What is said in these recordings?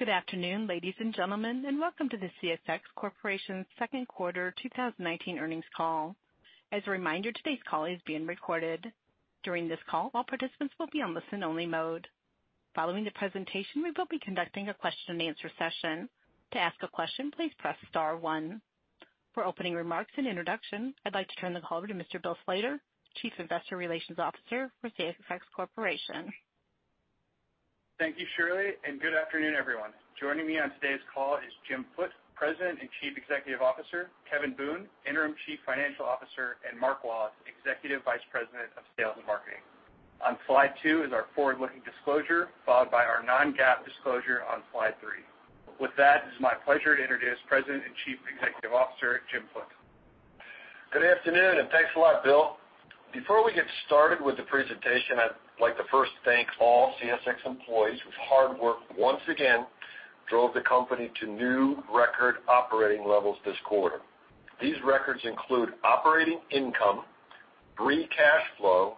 Good afternoon, ladies and gentlemen, and welcome to the CSX Corporation Second Quarter 2019 earnings call. As a reminder, today's call is being recorded. During this call, all participants will be on listen-only mode. Following the presentation, we will be conducting a question-and-answer session. To ask a question, please press star one. For opening remarks and introduction, I'd like to turn the call over to Mr. Bill Slater, Chief Investor Relations Officer for CSX Corporation. Thank you, Shirley, and good afternoon, everyone. Joining me on today's call is Jim Foote, President and Chief Executive Officer, Kevin Boone, Interim Chief Financial Officer, and Mark Wallace, Executive Vice President of Sales and Marketing. On slide two is our forward-looking disclosure, followed by our non-GAAP disclosure on slide three. With that, it's my pleasure to introduce President and Chief Executive Officer, Jim Foote. Good afternoon, and thanks a lot, Bill. Before we get started with the presentation, I'd like to first thank all CSX employees whose hard work once again drove the company to new record operating levels this quarter. These records include operating income, free cash flow,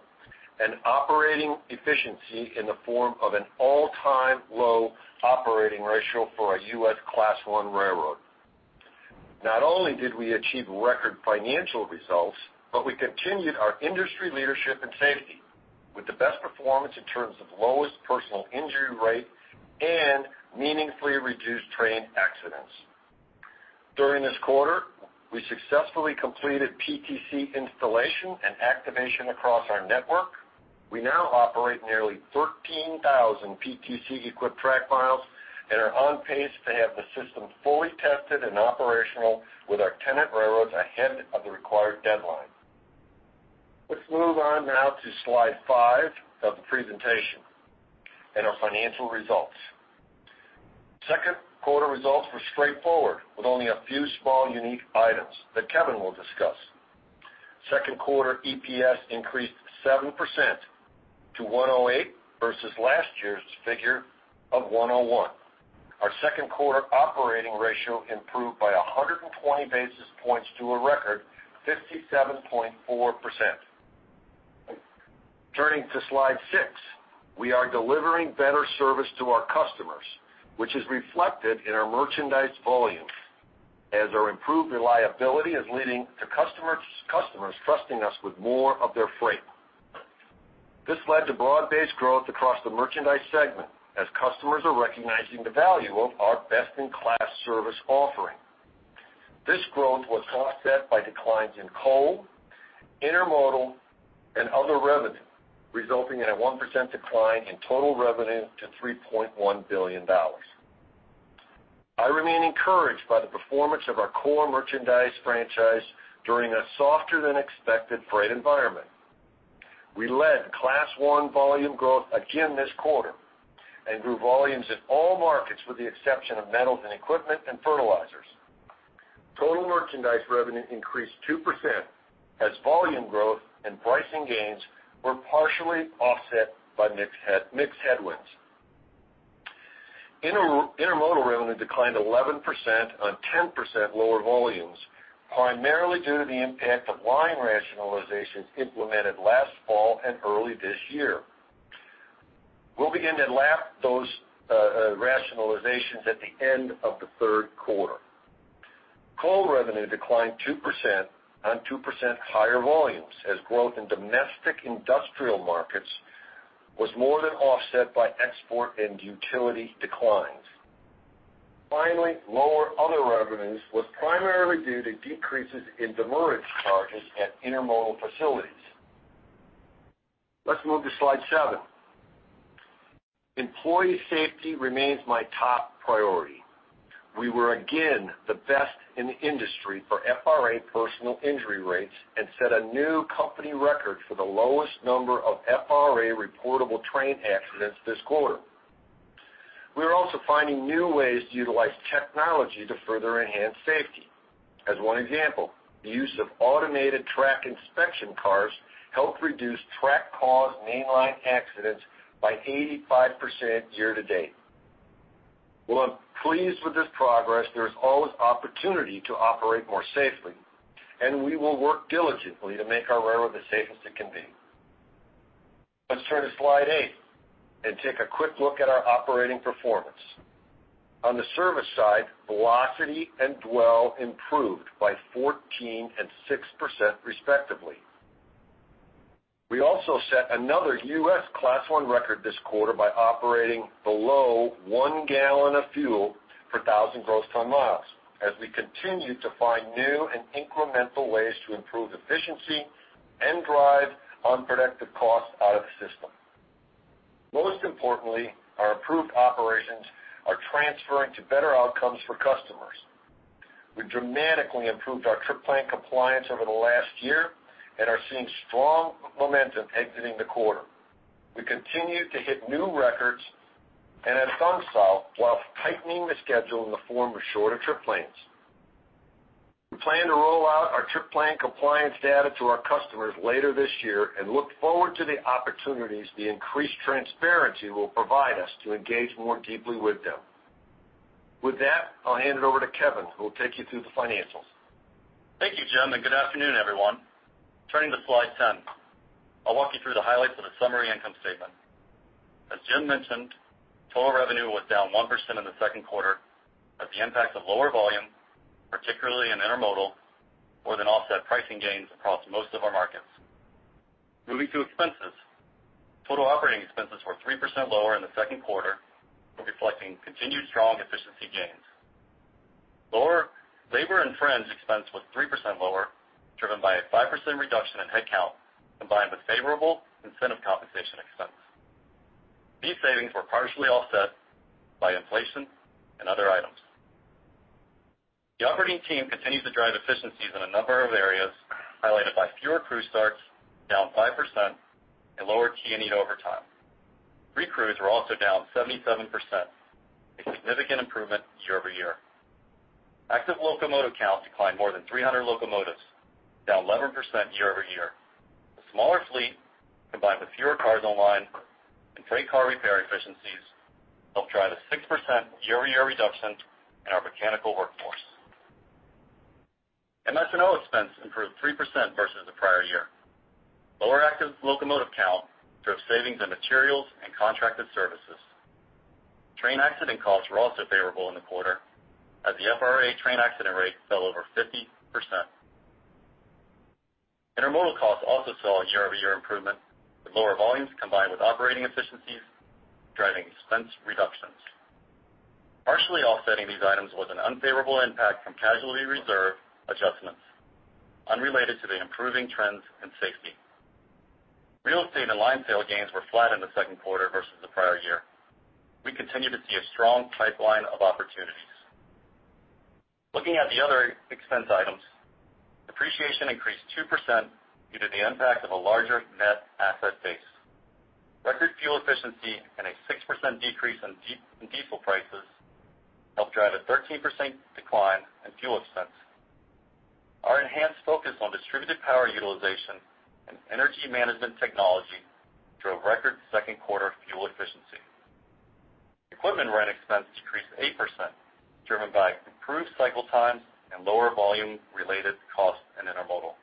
and operating efficiency in the form of an all-time low operating ratio for a U.S. Class I railroad. Not only did we achieve record financial results, but we continued our industry leadership in safety, with the best performance in terms of lowest personal injury rate and meaningfully reduced train accidents. During this quarter, we successfully completed PTC installation and activation across our network. We now operate nearly 13,000 PTC-equipped track miles and are on pace to have the system fully tested and operational with our tenant railroads ahead of the required deadline. Let's move on now to slide five of the presentation and our financial results. Second quarter results were straightforward, with only a few small unique items that Kevin will discuss. Second quarter EPS increased 7% to $1.08 versus last year's figure of $1.01. Our second quarter operating ratio improved by 120 basis points to a record 57.4%. Turning to slide six, we are delivering better service to our customers, which is reflected in our merchandise volumes, as our improved reliability is leading to customers trusting us with more of their freight. This led to broad-based growth across the merchandise segment as customers are recognizing the value of our best-in-class service offering. This growth was offset by declines in coal, intermodal, and other revenue, resulting in a 1% decline in total revenue to $3.1 billion. I remain encouraged by the performance of our core merchandise franchise during a softer-than-expected freight environment. We led Class I volume growth again this quarter and grew volumes in all markets with the exception of metals and equipment and fertilizers. Total merchandise revenue increased 2% as volume growth and pricing gains were partially offset by mixed headwinds. Intermodal revenue declined 11% on 10% lower volumes, primarily due to the impact of line rationalization implemented last fall and early this year. We'll begin to lap those rationalizations at the end of the third quarter. Coal revenue declined 2% on 2% higher volumes as growth in domestic industrial markets was more than offset by export and utility declines. Finally, lower other revenues was primarily due to decreases in demurrage charges at intermodal facilities. Let's move to slide seven. Employee safety remains my top priority. We were again the best in the industry for FRA personal injury rates and set a new company record for the lowest number of FRA reportable train accidents this quarter. We are also finding new ways to utilize technology to further enhance safety. As one example, the use of automated track inspection cars helped reduce track-caused mainline accidents by 85% year-to-date. While I'm pleased with this progress, there is always opportunity to operate more safely, and we will work diligently to make our railroad as safe as it can be. Let's turn to slide eight and take a quick look at our operating performance. On the service side, velocity and dwell improved by 14% and 6% respectively. We also set another U.S. Class I record this quarter by operating below one gallon of fuel per 1,000 gross ton miles as we continue to find new and incremental ways to improve efficiency and drive unproductive costs out of the system. Most importantly, our improved operations are transferring to better outcomes for customers. We dramatically improved our trip plan compliance over the last year and are seeing strong momentum exiting the quarter. We continue to hit new records and have done so while tightening the schedule in the form of shorter trip plans. We plan to roll out our trip plan compliance data to our customers later this year and look forward to the opportunities the increased transparency will provide us to engage more deeply with them. With that, I'll hand it over to Kevin, who will take you through the financials. Thank you, Jim, and good afternoon, everyone. Turning to slide 10. I'll walk you through the highlights of the summary income statement. As Jim mentioned, total revenue was down 1% in the second quarter as the impact of lower volume, particularly in intermodal, more than offset pricing gains across most of our markets. Moving to expenses. Total operating expenses were 3% lower in the second quarter, reflecting continued strong efficiency gains. Labor and fringe expense was 3% lower, driven by a 5% reduction in headcount combined with favorable incentive compensation expense. These savings were partially offset by inflation and other items. The operating team continues to drive efficiencies in a number of areas, highlighted by fewer crew starts, down 5%, and lower T&E overtime. Re-crews were also down 77%, a significant improvement year-over-year. Active locomotive counts declined more than 300 locomotives, down 11% year-over-year. The smaller fleet, combined with fewer cars on line and train car repair efficiencies, helped drive a 6% year-over-year reduction in our mechanical workforce. MS&O expense improved 3% versus the prior year. Lower active locomotive count drove savings in materials and contracted services. Train accident costs were also favorable in the quarter as the FRA train accident rate fell over 50%. Intermodal costs also saw a year-over-year improvement, with lower volumes combined with operating efficiencies driving expense reductions. Partially offsetting these items was an unfavorable impact from casualty reserve adjustments unrelated to the improving trends in safety. Real estate and line sale gains were flat in the second quarter versus the prior year. We continue to see a strong pipeline of opportunities. Looking at the other expense items, depreciation increased 2% due to the impact of a larger net asset base. Record fuel efficiency and a 6% decrease in diesel prices helped drive a 13% decline in fuel expense. Our enhanced focus on distributed power utilization and energy management technology drove record second quarter fuel efficiency. Equipment rent expense decreased 8%, driven by improved cycle times and lower volume-related costs in intermodal.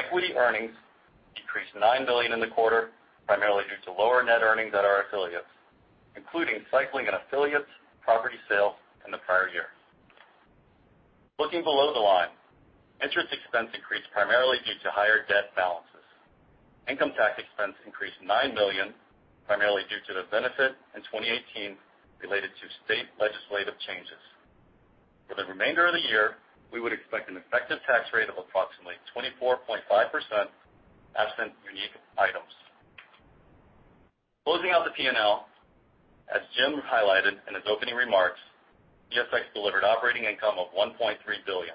Equity earnings decreased $9 billion in the quarter, primarily due to lower net earnings at our affiliates, including cycling and affiliates property sales in the prior year. Looking below the line, interest expense increased primarily due to higher debt balances. Income tax expense increased $9 million, primarily due to the benefit in 2018 related to state legislative changes. For the remainder of the year, we would expect an effective tax rate of approximately 24.5% absent unique items. Closing out the P&L, as Jim highlighted in his opening remarks, CSX delivered operating income of $1.3 billion,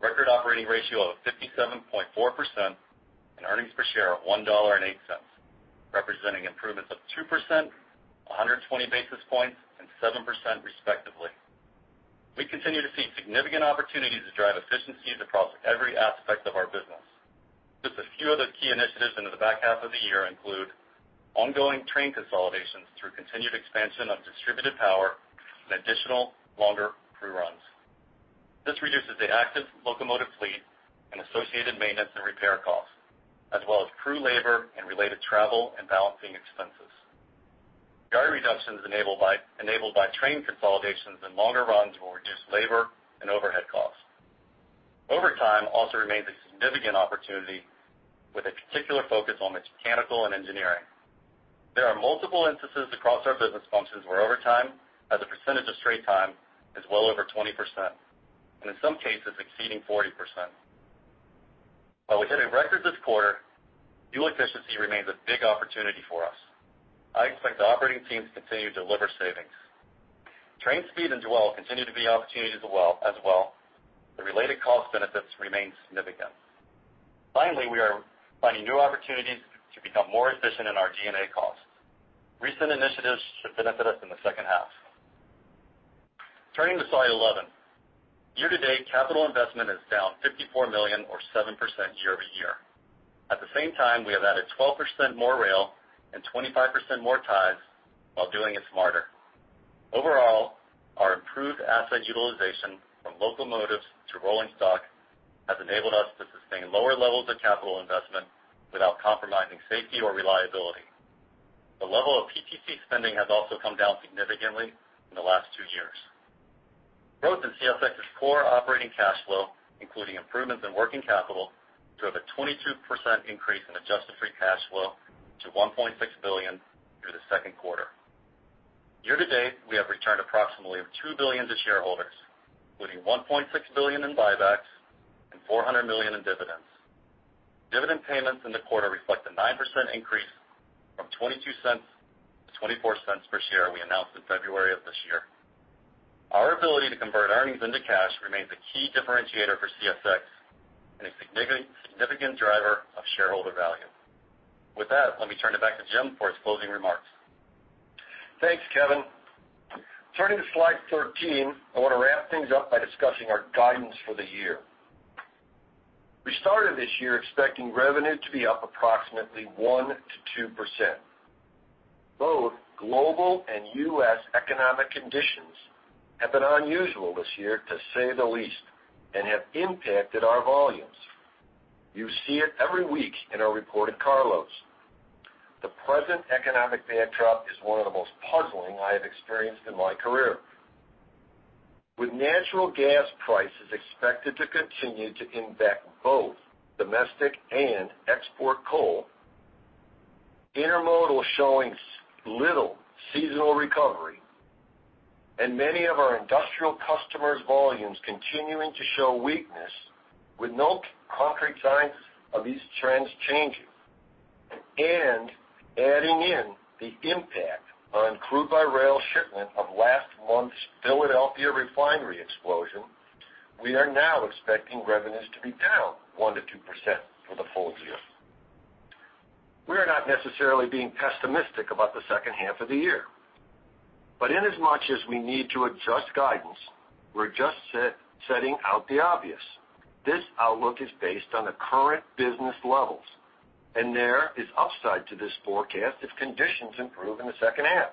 record operating ratio of 57.4%, and earnings per share of $1.08, representing improvements of 2%, 120 basis points, and 7% respectively. We continue to see significant opportunities to drive efficiencies across every aspect of our business. Just a few of the key initiatives into the back half of the year include ongoing train consolidations through continued expansion of distributed power and additional longer crew runs. This reduces the active locomotive fleet and associated maintenance and repair costs, as well as crew labor and related travel and balancing expenses. Yard reductions enabled by train consolidations and longer runs will reduce labor and overhead costs. Overtime also remains a significant opportunity with a particular focus on the mechanical and engineering. There are multiple instances across our business functions where overtime as a percentage of straight time is well over 20%, and in some cases, exceeding 40%. While we hit a record this quarter, fuel efficiency remains a big opportunity for us. I expect the operating teams to continue to deliver savings. Train speed and dwell continue to be opportunities as well. The related cost benefits remain significant. Finally, we are finding new opportunities to become more efficient in our G&A costs. Recent initiatives should benefit us in the second half. Turning to slide 11. Year-to-date capital investment is down $54 million or 7% year-over-year. At the same time, we have added 12% more rail and 25% more ties while doing it smarter. Overall, our improved asset utilization from locomotives to rolling stock has enabled us to sustain lower levels of capital investment without compromising safety or reliability. The level of PTC spending has also come down significantly in the last two years. Growth in CSX's core operating cash flow, including improvements in working capital, drove a 22% increase in adjusted free cash flow to $1.6 billion through the second quarter. Year to date, we have returned approximately $2 billion to shareholders, including $1.6 billion in buybacks and $400 million in dividends. Dividend payments in the quarter reflect a 9% increase from $0.22 to $0.24 per share we announced in February of this year. Our ability to convert earnings into cash remains a key differentiator for CSX and a significant driver of shareholder value. With that, let me turn it back to Jim for his closing remarks. Thanks, Kevin. Turning to slide 13, I want to wrap things up by discussing our guidance for the year. We started this year expecting revenue to be up approximately 1%-2%. Both global and U.S. economic conditions have been unusual this year, to say the least, and have impacted our volumes. You see it every week in our reported car loads. The present economic backdrop is one of the most puzzling I have experienced in my career. With natural gas prices expected to continue to impact both domestic and export coal, intermodal showing little seasonal recovery, and many of our industrial customers' volumes continuing to show weakness with no concrete signs of these trends changing, adding in the impact on crude-by-rail shipment of last month's Philadelphia refinery explosion, we are now expecting revenues to be down 1%-2% for the full year. We are not necessarily being pessimistic about the second half of the year, but in as much as we need to adjust guidance, we're just setting out the obvious. This outlook is based on the current business levels, and there is upside to this forecast if conditions improve in the second half.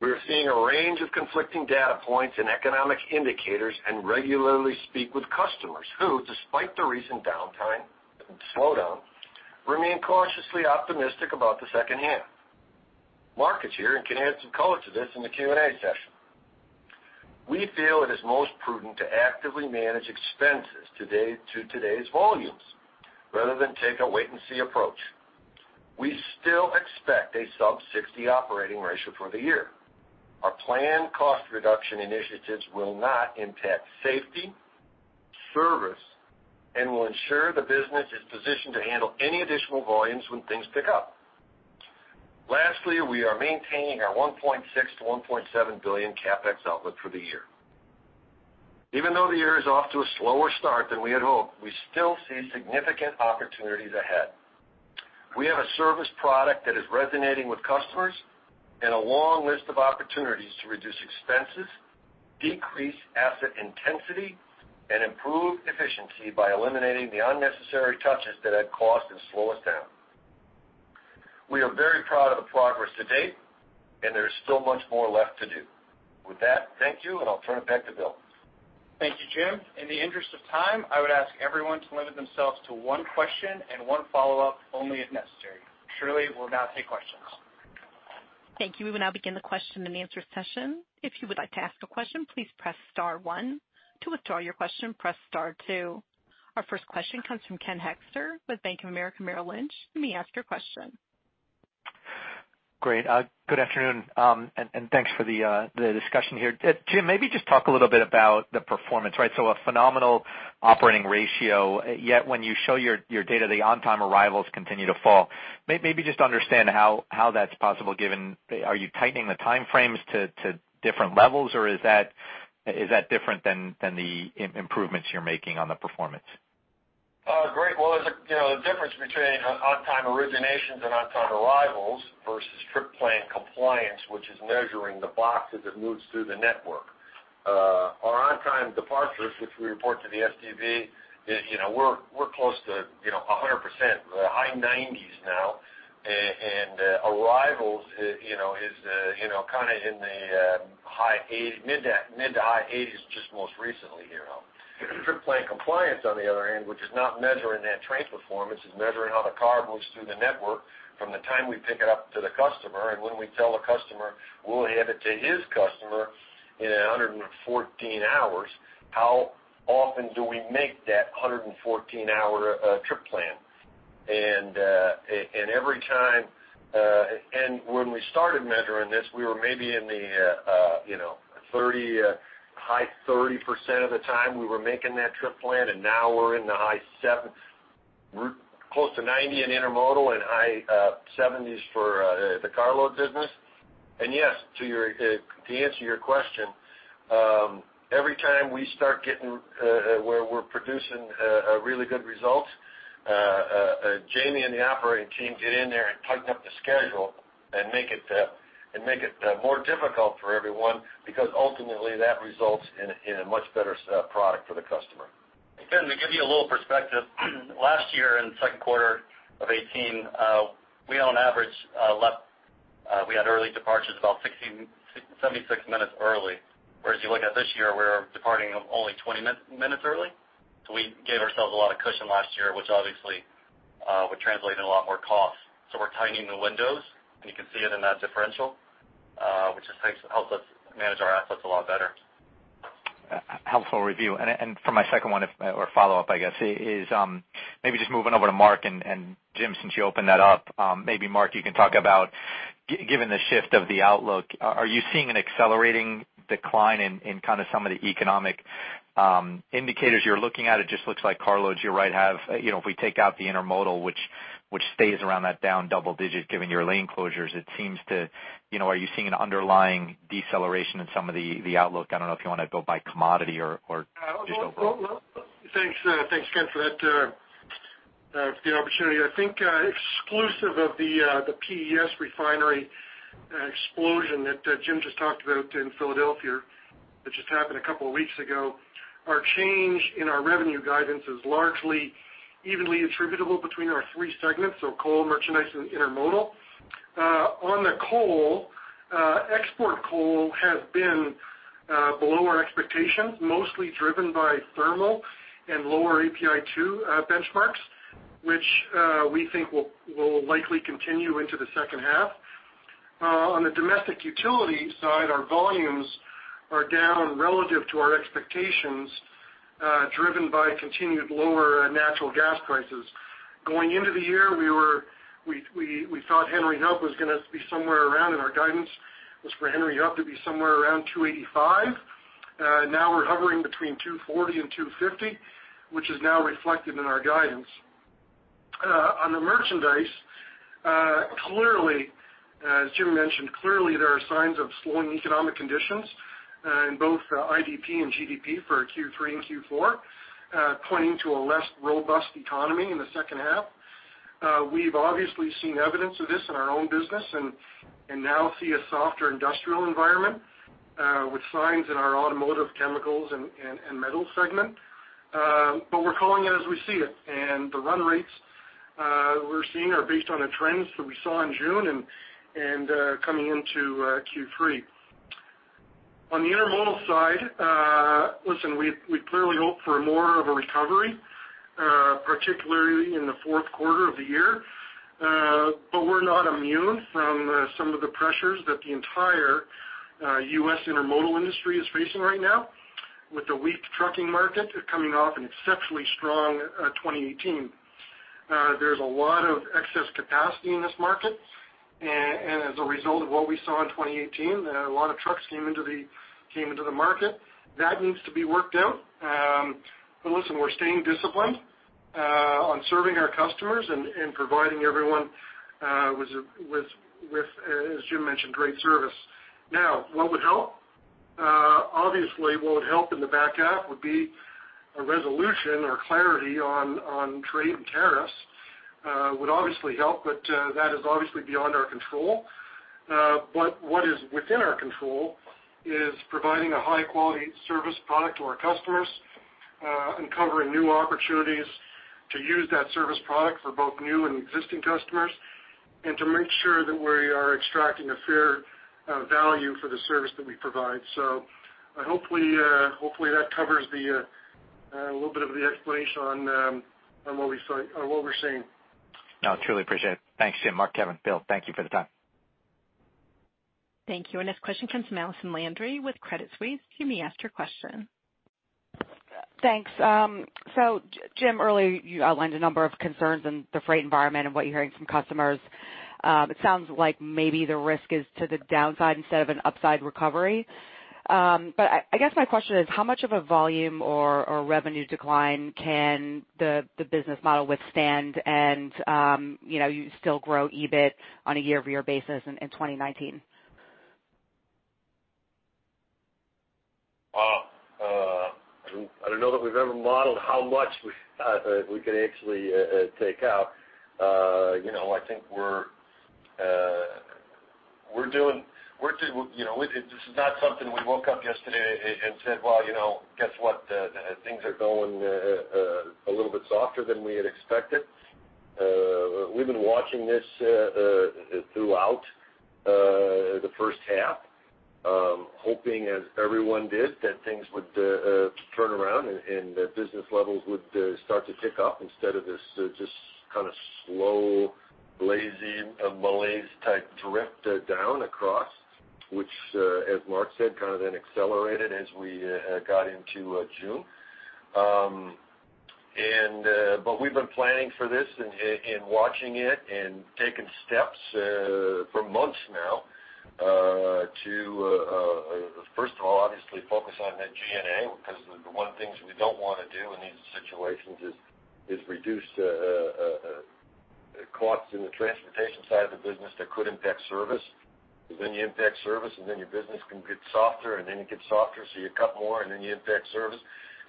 We are seeing a range of conflicting data points and economic indicators and regularly speak with customers who, despite the recent downtime and slowdown, remain cautiously optimistic about the second half. Mark is here and can add some color to this in the Q&A session. We feel it is most prudent to actively manage expenses to today's volumes rather than take a wait and see approach. We still expect a sub 60 operating ratio for the year. Our planned cost reduction initiatives will not impact safety, service, and will ensure the business is positioned to handle any additional volumes when things pick up. Lastly, we are maintaining our $1.6 billion-$1.7 billion CapEx outlook for the year. Even though the year is off to a slower start than we had hoped, we still see significant opportunities ahead. We have a service product that is resonating with customers and a long list of opportunities to reduce expenses, decrease asset intensity, and improve efficiency by eliminating the unnecessary touches that add cost and slow us down. We are very proud of the progress to date, and there is still much more left to do. With that, thank you, and I'll turn it back to Bill. Thank you, Jim. In the interest of time, I would ask everyone to limit themselves to one question and one follow-up only if necessary. Shirley will now take questions. Thank you. We will now begin the question and answer session. If you would like to ask a question, please press star one. To withdraw your question, press star two. Our first question comes from Ken Hoexter with Bank of America Merrill Lynch. You may ask your question. Great. Good afternoon, thanks for the discussion here. Jim, maybe just talk a little bit about the performance, right? A phenomenal operating ratio, yet when you show your data, the on-time arrivals continue to fall. Maybe just understand how that's possible given, are you tightening the time frames to different levels, or is that different than the improvements you're making on the performance? Great. There's a difference between on-time originations and on-time arrivals versus trip plan compliance, which is measuring the box as it moves through the network. Our on-time departures, which we report to the STB, we're close to 100%, high nineties now, arrivals is in the mid to high eighties just most recently here. Trip plan compliance, on the other hand, which is not measuring that train performance, is measuring how the car moves through the network from the time we pick it up to the customer and when we tell the customer we'll hand it to his customer in 114 hours, how often do we make that 114-hour trip plan? When we started measuring this, we were maybe in the high 30% of the time we were making that trip plan, now we're in the high 70%, close to 90% in intermodal and high 70% for the carload business. Yes, to answer your question, every time we start getting where we're producing really good results, Jamie and the operating team get in there and tighten up the schedule and make it more difficult for everyone because ultimately that results in a much better product for the customer. Ken, to give you a little perspective, last year in the second quarter of 2018, we on average left, we had early departures about 76 minutes early. Whereas you look at this year, we're departing only 20 minutes early. We gave ourselves a lot of cushion last year, which obviously would translate in a lot more cost. We're tightening the windows, and you can see it in that differential, which just helps us manage our assets a lot better. Helpful review. For my second one or follow-up, I guess, is maybe just moving over to Mark and Jim, since you opened that up. Maybe Mark, you can talk about, given the shift of the outlook, are you seeing an accelerating decline in some of the economic indicators you're looking at? It just looks like car loads, you're right, if we take out the intermodal, which stays around that down double-digit, given your lane closures, are you seeing an underlying deceleration in some of the outlook? I don't know if you want to go by commodity or just overall. For the opportunity. I think exclusive of the PES refinery explosion that Jim just talked about in Philadelphia, which just happened a couple of weeks ago, our change in our revenue guidance is largely evenly attributable between our three segments, so coal, merchandise, and intermodal. On the coal, export coal has been below our expectations, mostly driven by thermal and lower API 2 benchmarks, which we think will likely continue into the second half. On the domestic utility side, our volumes are down relative to our expectations, driven by continued lower natural gas prices. Going into the year, we thought Henry Hub was going to be somewhere around, and our guidance was for Henry Hub to be somewhere around $2.85. Now we're hovering between $2.40 and $2.50, which is now reflected in our guidance. On the merchandise, as Jim mentioned, clearly there are signs of slowing economic conditions in both IP and GDP for Q3 and Q4, pointing to a less robust economy in the second half. We've obviously seen evidence of this in our own business, and now see a softer industrial environment with signs in our automotive, chemicals, and metal segment. We're calling it as we see it, and the run rates we're seeing are based on the trends that we saw in June and coming into Q3. On the intermodal side, listen, we clearly hope for more of a recovery, particularly in the fourth quarter of the year. We're not immune from some of the pressures that the entire U.S. intermodal industry is facing right now with the weak trucking market coming off an exceptionally strong 2018. There's a lot of excess capacity in this market. As a result of what we saw in 2018, a lot of trucks came into the market. That needs to be worked out. Listen, we're staying disciplined on serving our customers and providing everyone with, as Jim mentioned, great service. Now, what would help? Obviously, what would help in the back half would be a resolution or clarity on trade and tariffs, would obviously help, that is obviously beyond our control. What is within our control is providing a high-quality service product to our customers, uncovering new opportunities to use that service product for both new and existing customers, and to make sure that we are extracting a fair value for the service that we provide. Hopefully, that covers a little bit of the explanation on what we're seeing. No, truly appreciate it. Thanks, Jim, Mark, Kevin, Bill, thank you for the time. Thank you. Our next question comes from Allison Landry with Credit Suisse. You may ask your question. Thanks. Jim, earlier you outlined a number of concerns in the freight environment and what you're hearing from customers. It sounds like maybe the risk is to the downside instead of an upside recovery. I guess my question is, how much of a volume or revenue decline can the business model withstand and you still grow EBIT on a year-over-year basis in 2019? I don't know that we've ever modeled how much we could actually take out. This is not something we woke up yesterday and said, "Well, guess what? Things are going a little bit softer than we had expected." We've been watching this throughout the first half, hoping as everyone did, that things would turn around and that business levels would start to tick up instead of this just kind of slow, lazy, malaise type drift down across, which, as Mark said, kind of then accelerated as we got into June. We've been planning for this and watching it and taking steps for months now to, first of all, obviously focus on that G&A, because the one of things we don't want to do in these situations is reduce costs in the transportation side of the business that could impact service. Then you impact service, then your business can get softer, then it gets softer, you cut more, then you impact service,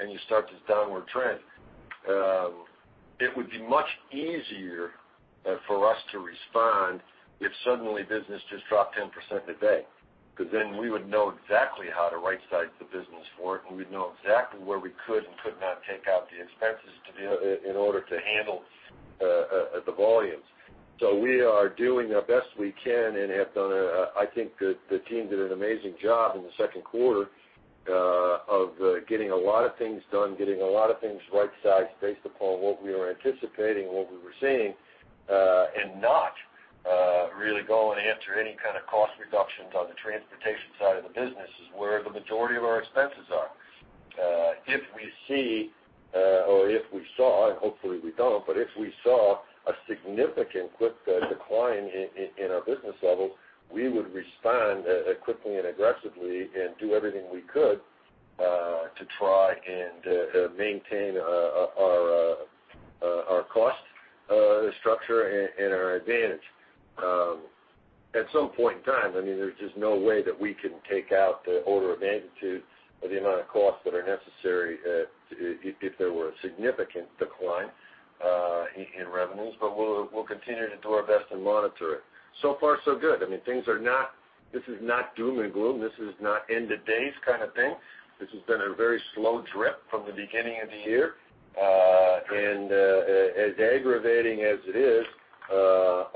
you start this downward trend. It would be much easier for us to respond if suddenly business just dropped 10% today. Then we would know exactly how to right-size the business for it, we'd know exactly where we could and could not take out the expenses in order to handle the volumes. We are doing the best we can I think the team did an amazing job in the second quarter of getting a lot of things done, getting a lot of things right-sized based upon what we were anticipating and what we were seeing, not really go and enter any kind of cost reductions on the transportation side of the business is where the majority of our expenses are. If we see, or if we saw, hopefully we don't, if we saw a significant quick decline in our business levels, we would respond quickly and aggressively do everything we could to try and maintain our cost structure and our advantage. At some point in time, there's just no way that we can take out the order of magnitude or the amount of costs that are necessary if there were a significant decline in revenues. We'll continue to do our best and monitor it. So far so good. This is not doom and gloom. This is not end of days kind of thing. This has been a very slow drip from the beginning of the year. As aggravating as it is,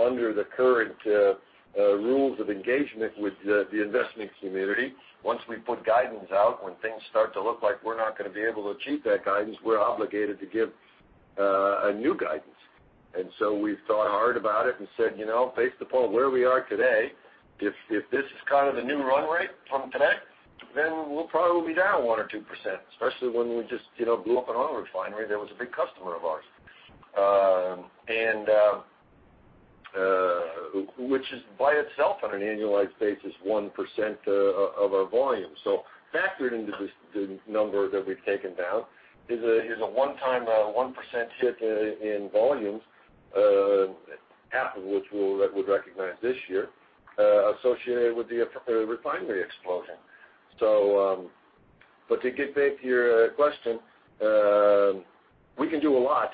under the current rules of engagement with the investment community, once we put guidance out, when things start to look like we're not going to be able to achieve that guidance, we're obligated to give a new guidance. We've thought hard about it and said, based upon where we are today, if this is kind of the new run rate from today, then we'll probably be down 1% or 2%, especially when we just blew up an oil refinery that was a big customer of ours, which is by itself on an annualized basis, 1% of our volume. Factored into this, the number that we've taken down is a one-time 1% hit in volumes, half of which we'll recognize this year, associated with the refinery explosion. To get back to your question, we can do a lot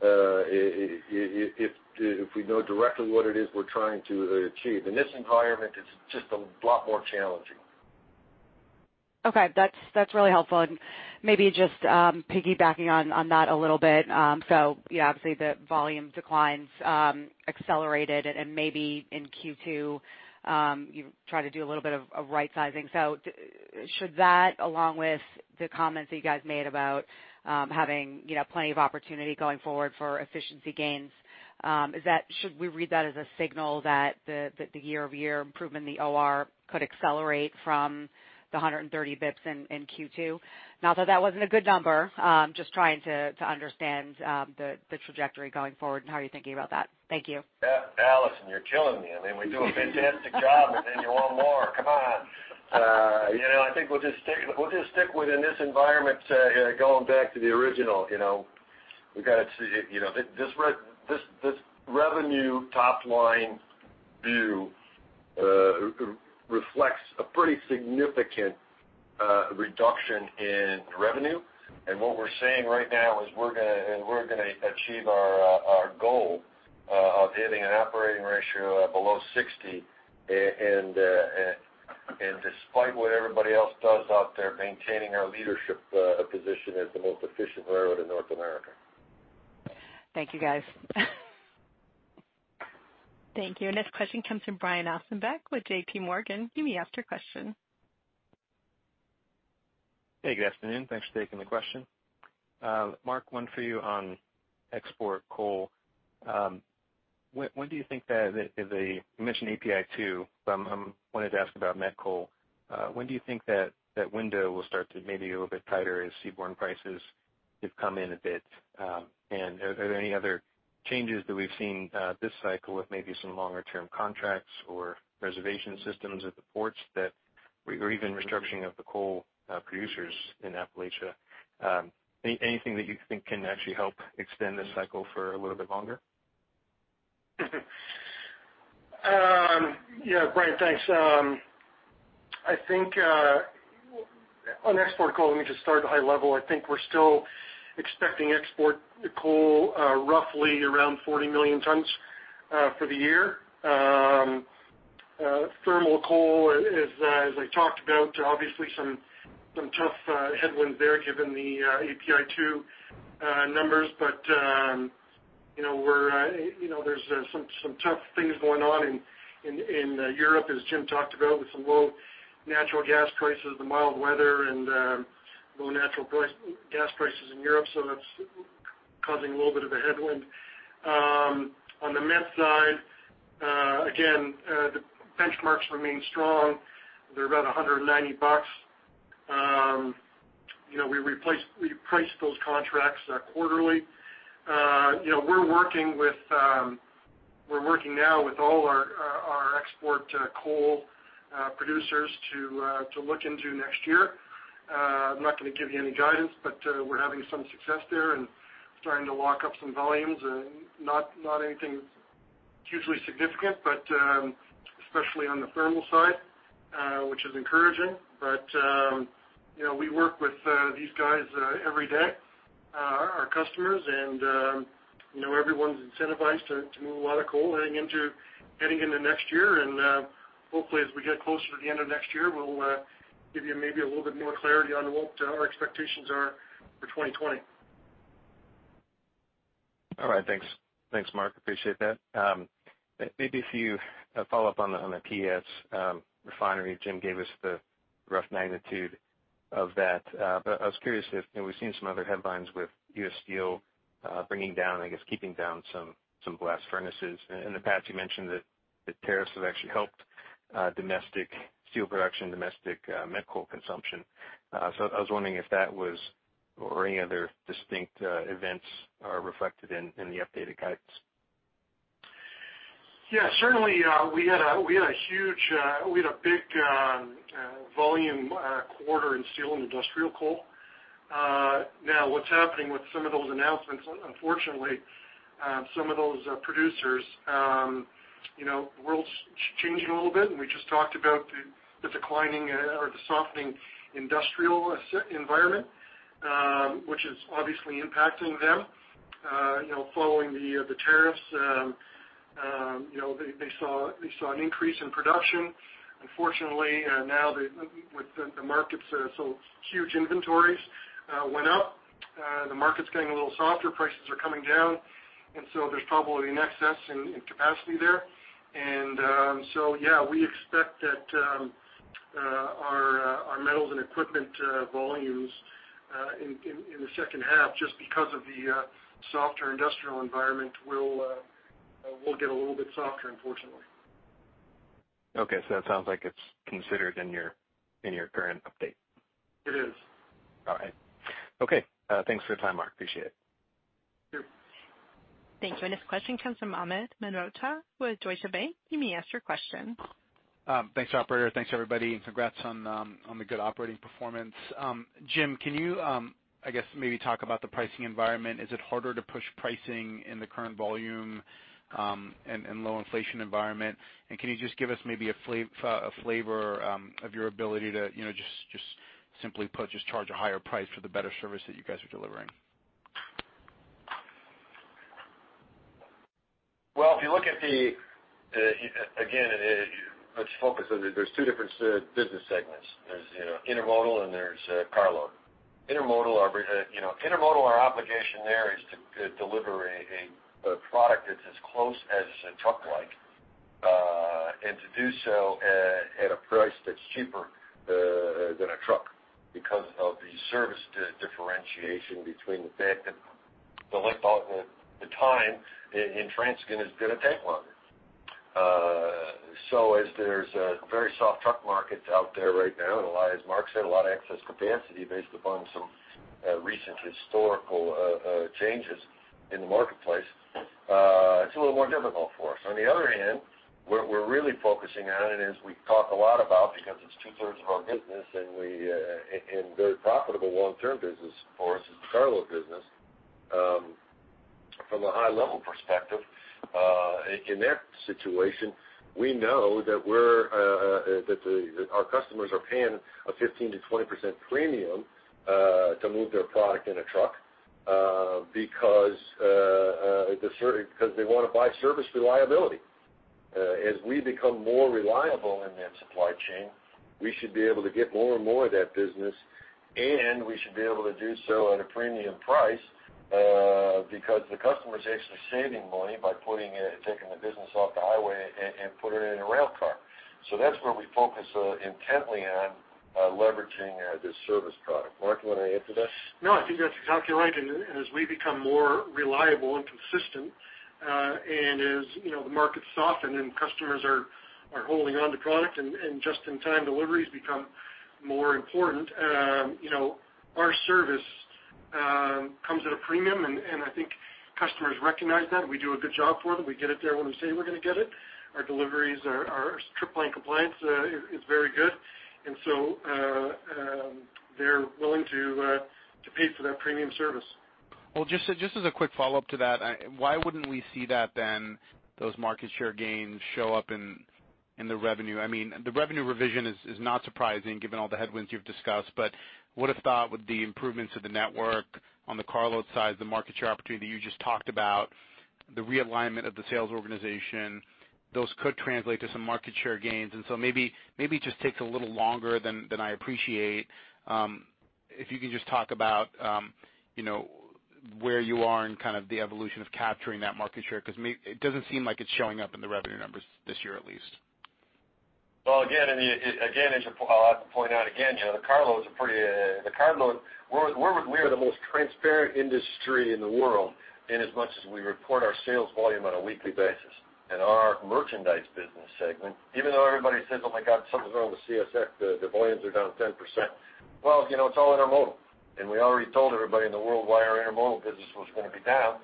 if we know directly what it is we're trying to achieve. In this environment, it's just a lot more challenging. Okay. That's really helpful. Maybe just piggybacking on that a little bit. Obviously the volume declines accelerated and maybe in Q2, you try to do a little bit of right sizing. Should that, along with the comments that you guys made about having plenty of opportunity going forward for efficiency gains, should we read that as a signal that the year-over-year improvement in the OR could accelerate from the 130 basis points in Q2? Not that wasn't a good number, just trying to understand the trajectory going forward and how are you thinking about that? Thank you. Allison, you're killing me. We do a fantastic job. You want more. Come on. I think we'll just stick within this environment, going back to the original. This revenue top line view reflects a pretty significant reduction in revenue. What we're saying right now is we're going to achieve our goal of hitting an operating ratio below 60%, despite what everybody else does out there, maintaining our leadership position as the most efficient railroad in North America. Thank you, guys. Thank you. Next question comes from Brian Ossenbeck with JPMorgan. You may ask your question. Hey, good afternoon. Thanks for taking the question. Mark, one for you on export coal. You mentioned API 2, but I wanted to ask about met coal. Are there any other changes that we've seen this cycle with maybe some longer-term contracts or reservation systems at the ports, or even restructuring of the coal producers in Appalachia? Anything that you think can actually help extend this cycle for a little bit longer? Yeah, Brian, thanks. On export coal, let me just start at a high level. I think we're still expecting export coal roughly around 40 million tons for the year. Thermal coal, as I talked about, obviously some tough headwinds there given the API 2 numbers. There's some tough things going on in Europe as Jim talked about, with some low natural gas prices, the mild weather, and low natural gas prices in Europe. That's causing a little bit of a headwind. On the met side, again, the benchmarks remain strong. They're about $190. We price those contracts quarterly. We're working now with all our export coal producers to look into next year. I'm not going to give you any guidance, we're having some success there and starting to lock up some volumes. Not anything hugely significant, especially on the thermal side, which is encouraging. We work with these guys every day, our customers, and everyone's incentivized to move a lot of coal heading into next year. Hopefully, as we get closer to the end of next year, we'll give you maybe a little bit more clarity on what our expectations are for 2020. All right. Thanks, Mark. Appreciate that. Maybe if you follow up on the PES refinery. Jim gave us the rough magnitude of that. I was curious if, we've seen some other headlines with U.S Steel bringing down, I guess, keeping down some blast furnaces. In the past, you mentioned that tariffs have actually helped domestic steel production, domestic met coal consumption. I was wondering if that was or any other distinct events are reflected in the updated guidance. Yeah, certainly, we had a big volume quarter in steel and industrial coal. What's happening with some of those announcements, unfortunately, some of those producers, world's changing a little bit, and we just talked about the declining or the softening industrial environment, which is obviously impacting them. Following the tariffs, they saw an increase in production. Unfortunately, now with the markets, so huge inventories went up. The market's getting a little softer. Prices are coming down, and there's probably an excess in capacity there. Yeah, we expect that our metals and equipment volumes in the second half, just because of the softer industrial environment, will get a little bit softer, unfortunately. Okay. It sounds like it's considered in your current update. It is. All right. Okay. Thanks for the time, Mark. Appreciate it. Sure. Thank you. Our next question comes from Amit Mehrotra with Deutsche Bank. You may ask your question. Thanks, operator. Thanks, everybody. Congrats on the good operating performance. Jim, can you, I guess, maybe talk about the pricing environment? Is it harder to push pricing in the current volume, and low inflation environment? Can you just give us maybe a flavor of your ability to just simply put, charge a higher price for the better service that you guys are delivering? Let's focus on, there are two different business segments. There is Intermodal and there is Carload. Intermodal, our obligation there is to deliver a product that is as close as truck-like, and to do so at a price that is cheaper than a truck because of the service differentiation between the fact that the length of the time in transit is going to take longer. As there is a very soft truck market out there right now, and as Mark said, a lot of excess capacity based upon some recent historical changes in the marketplace, it is a little more difficult for us. On the other hand, what we are really focusing on and as we talk a lot about, because it is two-thirds of our business and very profitable long-term business for us, is the Carload business, from a high level perspective. In that situation, we know that our customers are paying a 15%-20% premium to move their product in a truck, because they want to buy service reliability. As we become more reliable in that supply chain, we should be able to get more and more of that business, and we should be able to do so at a premium price, because the customer is actually saving money by taking the business off the highway and putting it in a rail car. That is where we focus intently on leveraging this service product. Mark, you want to add to this? No, I think that is exactly right. As we become more reliable and consistent, as the market soften and customers are holding on to product and just-in-time deliveries become more important, our service comes at a premium, and I think customers recognize that. We do a good job for them. We get it there when we say we are going to get it. Our deliveries, our trip plan compliance is very good. They are willing to pay for that premium service. Just as a quick follow-up to that, why wouldn't we see that then, those market share gains show up in the revenue? I mean, the revenue revision is not surprising given all the headwinds you have discussed, but would have thought with the improvements of the network on the Carload side, the market share opportunity you just talked about, the realignment of the sales organization, those could translate to some market share gains. Maybe it just takes a little longer than I appreciate. If you can just talk about where you are in kind of the evolution of capturing that market share, because it does not seem like it is showing up in the revenue numbers this year at least. Well, again, I'll have to point out again, the carload, we are the most transparent industry in the world in as much as we report our sales volume on a weekly basis. Our merchandise business segment, even though everybody says, "Oh my God, something's wrong with CSX, the volumes are down 10%." Well, it's all Intermodal, and we already told everybody in the world why our Intermodal business was going to be down.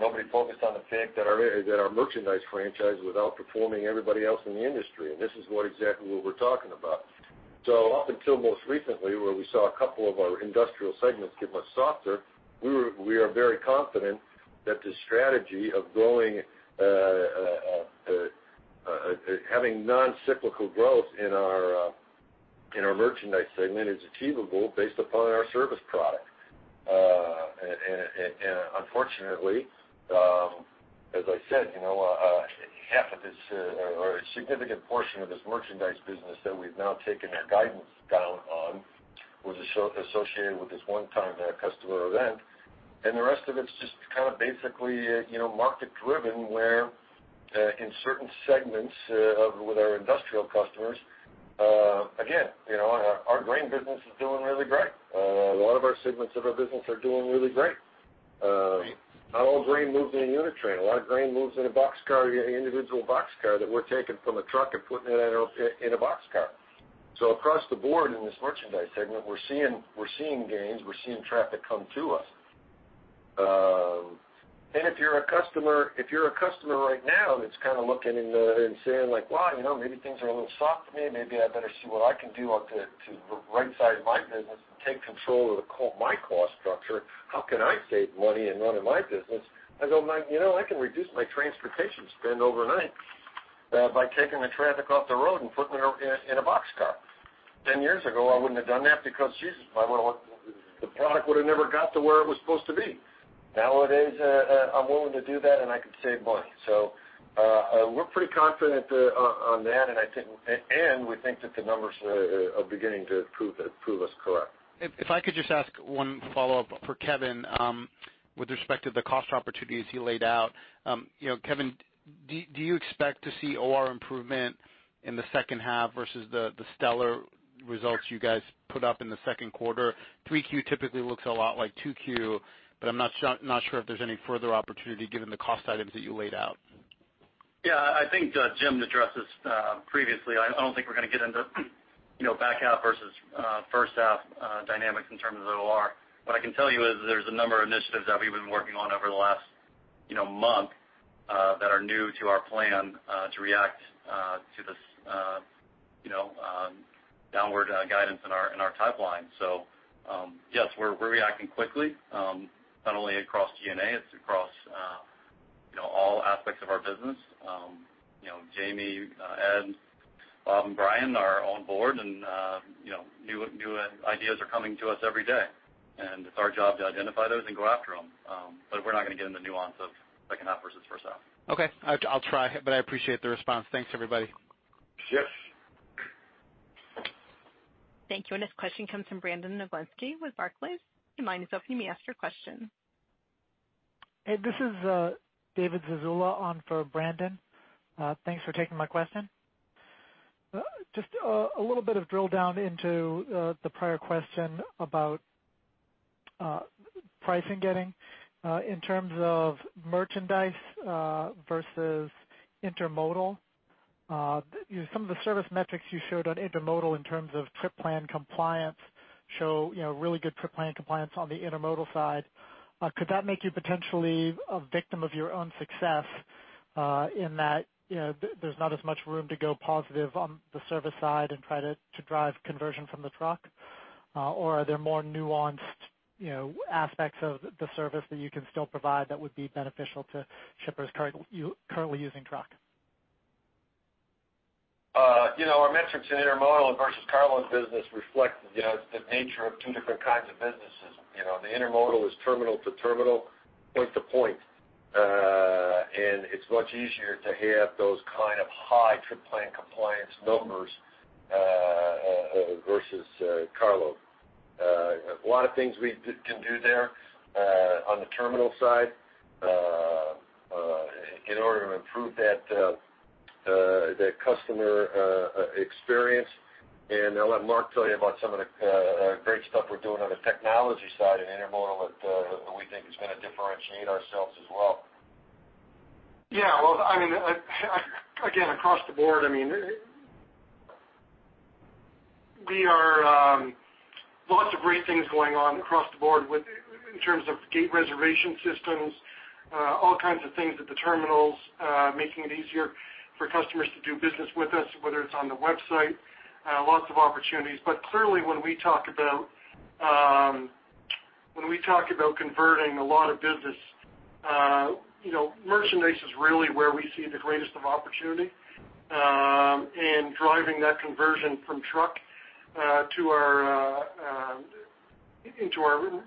Nobody focused on the fact that our merchandise franchise was outperforming everybody else in the industry. This is what exactly what we're talking about. Up until most recently where we saw a couple of our industrial segments get much softer, we are very confident that the strategy of having non-cyclical growth in our merchandise segment is achievable based upon our service product. Unfortunately, as I said, half of this or a significant portion of this merchandise business that we've now taken our guidance down on was associated with this one-time customer event. The rest of it is just kind of basically market-driven where, in certain segments with our industrial customers, again, our grain business is doing really great. A lot of our segments of our business are doing really great. Great. Not all grain moves in a unit train. A lot of grain moves in a boxcar, individual boxcar that we're taking from a truck and putting it in a boxcar. Across the board in this merchandise segment, we're seeing gains, we're seeing traffic come to us. If you're a customer right now that's kind of looking and saying, "Wow, maybe things are a little soft for me. Maybe I better see what I can do to right-size my business and take control of my cost structure. How can I save money in running my business?" I go, "I can reduce my transportation spend overnight by taking the traffic off the road and putting it in a boxcar." 10 years ago, I wouldn't have done that because, Jesus, the product would have never got to where it was supposed to be. Nowadays, I'm willing to do that, and I can save money. We're pretty confident on that, and we think that the numbers are beginning to prove us correct. If I could just ask one follow-up for Kevin with respect to the cost opportunities you laid out. Kevin, do you expect to see OR improvement in the second half versus the stellar results you guys put up in the second quarter? Q3 typically looks a lot like Q2, but I'm not sure if there's any further opportunity given the cost items that you laid out. Yeah, I think Jim addressed this previously. I don't think we're going to get into back half versus first half dynamics in terms of OR. What I can tell you is there's a number of initiatives that we've been working on over the last month that are new to our plan to react to this downward guidance in our pipeline. Yes, we're reacting quickly not only across G&A, it's across all aspects of our business. Jamie, Ed, Bob, and Brian are on board, new ideas are coming to us every day. It's our job to identify those and go after them. We're not going to get into nuance of second half versus first half. Okay. I'll try, I appreciate the response. Thanks, everybody. Yes. Thank you. This question comes from Brandon Oglenski with Barclays. Your line is open. You may ask your question. Hey, this is David Zazula on for Brandon. Thanks for taking my question. Just a little bit of drill down into the prior question about pricing getting. In terms of merchandise versus intermodal, some of the service metrics you showed on intermodal in terms of trip plan compliance show really good trip plan compliance on the intermodal side. Could that make you potentially a victim of your own success in that there's not as much room to go positive on the service side and try to drive conversion from the truck? Are there more nuanced aspects of the service that you can still provide that would be beneficial to shippers currently using truck? Our metrics in intermodal versus carload business reflect the nature of two different kinds of businesses. The intermodal is terminal to terminal, point to point. It's much easier to have those kind of high trip plan compliance numbers versus carload. A lot of things we can do there on the terminal side in order to improve that customer experience. I'll let Mark tell you about some of the great stuff we're doing on the technology side in intermodal that we think is going to differentiate ourselves as well. Yeah. Well, again, across the board, lots of great things going on across the board in terms of gate reservation systems, all kinds of things at the terminals, making it easier for customers to do business with us, whether it's on the website, lots of opportunities. Clearly, when we talk about converting a lot of business, merchandise is really where we see the greatest of opportunity in driving that conversion from truck into our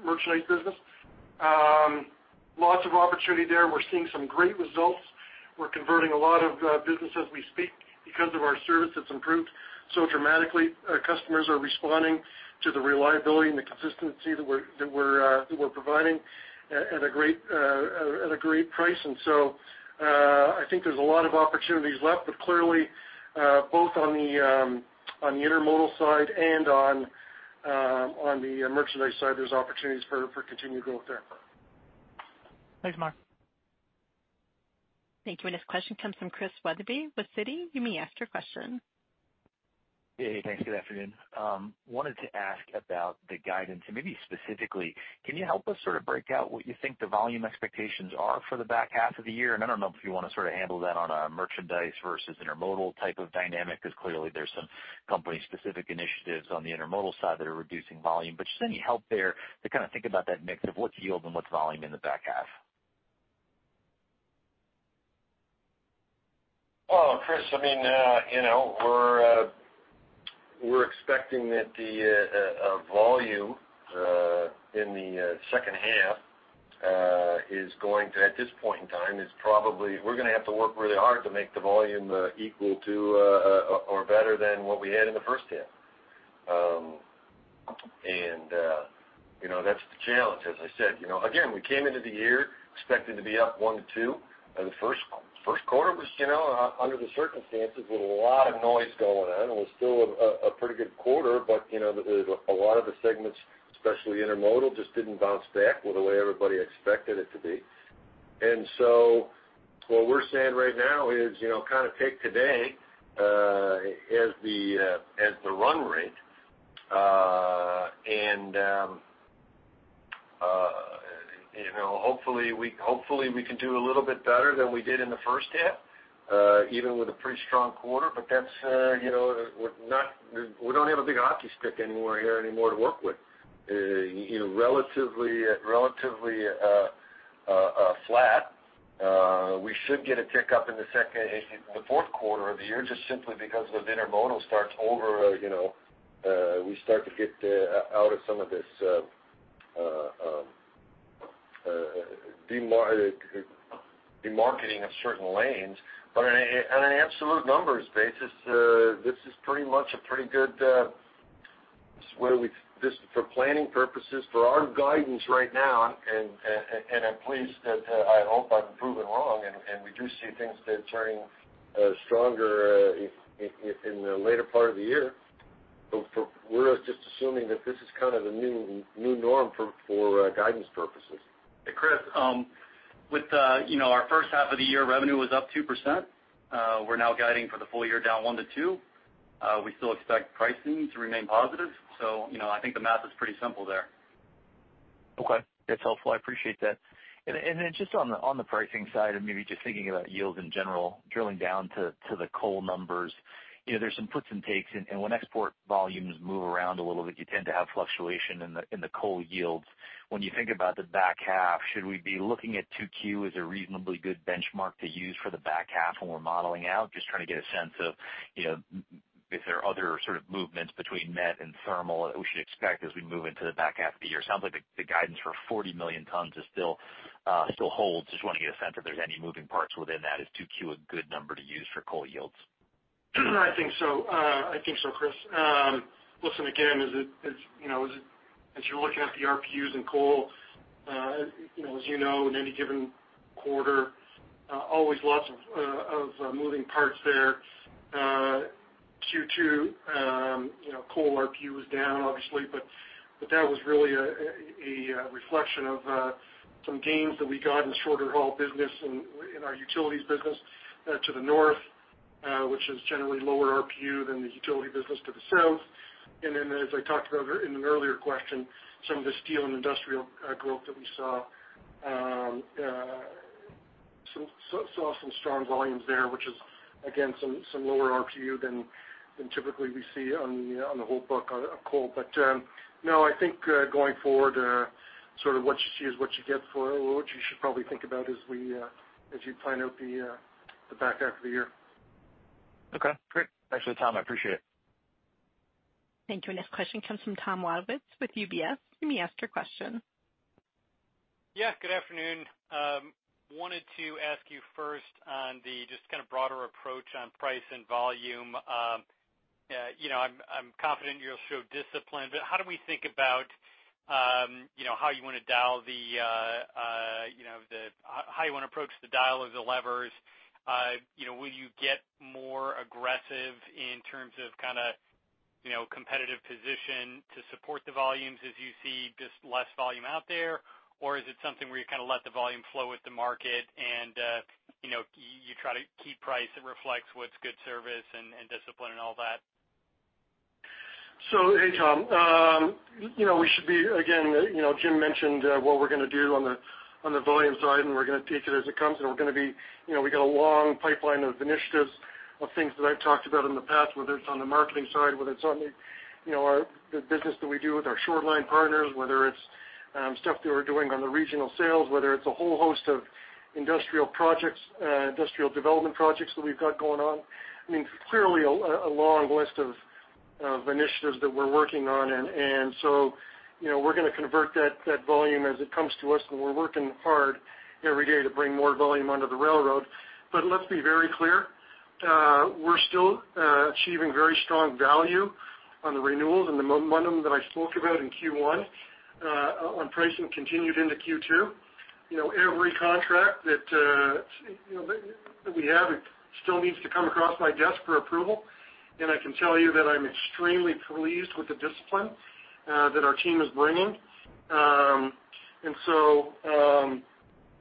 merchandise business. Lots of opportunity there. We're seeing some great results. We're converting a lot of business as we speak because of our service that's improved so dramatically. Our customers are responding to the reliability and the consistency that we're providing at a great price. So I think there's a lot of opportunities left. Clearly, both on the intermodal side and on the merchandise side, there's opportunities for continued growth there. Thanks, Mark. Thank you. This question comes from Chris Wetherbee with Citi. You may ask your question. Hey. Thanks. Good afternoon. Wanted to ask about the guidance, maybe specifically, can you help us sort of break out what you think the volume expectations are for the back half of the year? I don't know if you want to sort of handle that on a merchandise versus intermodal type of dynamic, because clearly there's some company specific initiatives on the intermodal side that are reducing volume. Just any help there to kind of think about that mix of what's yield and what's volume in the back half. Well, Chris, we're expecting that the volume in the second half, at this point in time, we're going to have to work really hard to make the volume equal to or better than what we had in the first half. That's the challenge. As I said, again, we came into the year expecting to be up 1%-2%. The first quarter was under the circumstances with a lot of noise going on. It was still a pretty good quarter, but a lot of the segments, especially intermodal, just didn't bounce back with the way everybody expected it to be. What we're saying right now is kind of take today as the run rate. Hopefully, we can do a little bit better than we did in the first half, even with a pretty strong quarter. We don't have a big hockey stick anywhere here anymore to work with. Relatively flat. We should get a kick up in the fourth quarter of the year, just simply because the intermodal starts over, we start to get out of some of this demarketing of certain lanes. On an absolute numbers basis, this is pretty much a pretty good, for planning purposes, for our guidance right now, and I'm pleased that I hope I'm proven wrong, and we do see things turning stronger in the later part of the year. We're just assuming that this is kind of the new norm for guidance purposes. Chris, with our first half of the year, revenue was up 2%. We're now guiding for the full year down 1%-2%. I think the math is pretty simple there. Okay. That's helpful. I appreciate that. Just on the pricing side and maybe just thinking about yields in general, drilling down to the coal numbers, there's some puts and takes, and when export volumes move around a little bit, you tend to have fluctuation in the coal yields. When you think about the back half, should we be looking at 2Q as a reasonably good benchmark to use for the back half when we're modeling out? Just trying to get a sense of if there are other sort of movements between met and thermal that we should expect as we move into the back half of the year. Sounds like the guidance for 40 million tons still holds. Just wanting to get a sense if there's any moving parts within that. Is 2Q a good number to use for coal yields? I think so. I think so, Chris. Listen, again, as you're looking at the RPUs in coal, as you know, in any given quarter, always lots of moving parts there. Q2, coal RPU was down, obviously, but that was really a reflection of some gains that we got in shorter haul business in our utilities business to the north, which is generally lower RPU than the utility business to the south. As I talked about in an earlier question, some of the steel and industrial growth that we saw some strong volumes there, which is again, some lower RPU than typically we see on the whole book of coal. I think, going forward, sort of what you see is what you get for what you should probably think about as you plan out the back half of the year. Okay, great. Thanks for the time. I appreciate it. Thank you. Next question comes from Tom Wadewitz with UBS. You may ask your question. Yeah, good afternoon. Wanted to ask you first on the just kind of broader approach on price and volume. I'm confident you'll show discipline, how do we think about how you want to approach the dial of the levers? Will you get more aggressive in terms of competitive position to support the volumes as you see just less volume out there? Is it something where you kind of let the volume flow with the market and you try to keep price that reflects what's good service and discipline and all that? Hey, Tom. Again, Jim mentioned what we're going to do on the volume side, we're going to take it as it comes, we got a long pipeline of initiatives of things that I've talked about in the past, whether it's on the marketing side, whether it's on the business that we do with our short line partners, whether it's stuff that we're doing on the regional sales, whether it's a whole host of industrial development projects that we've got going on. Clearly, a long list of initiatives that we're working on, we're going to convert that volume as it comes to us, we're working hard every day to bring more volume onto the railroad. Let's be very clear. We're still achieving very strong value on the renewals and the momentum that I spoke about in Q1 on pricing continued into Q2. Every contract that we have, it still needs to come across my desk for approval, I can tell you that I'm extremely pleased with the discipline that our team is bringing.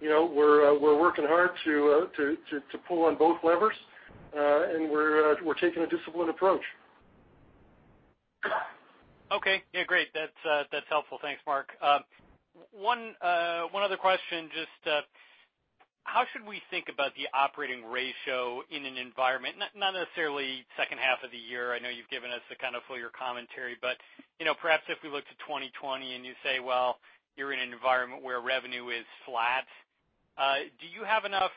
We're working hard to pull on both levers, we're taking a disciplined approach. Okay. Yeah, great. That's helpful. Thanks, Mark. One other question. Just how should we think about the operating ratio in an environment, not necessarily second half of the year? I know you've given us the kind of full-year commentary, but perhaps if we look to 2020 and you say, well, you're in an environment where revenue is flat. Do you have enough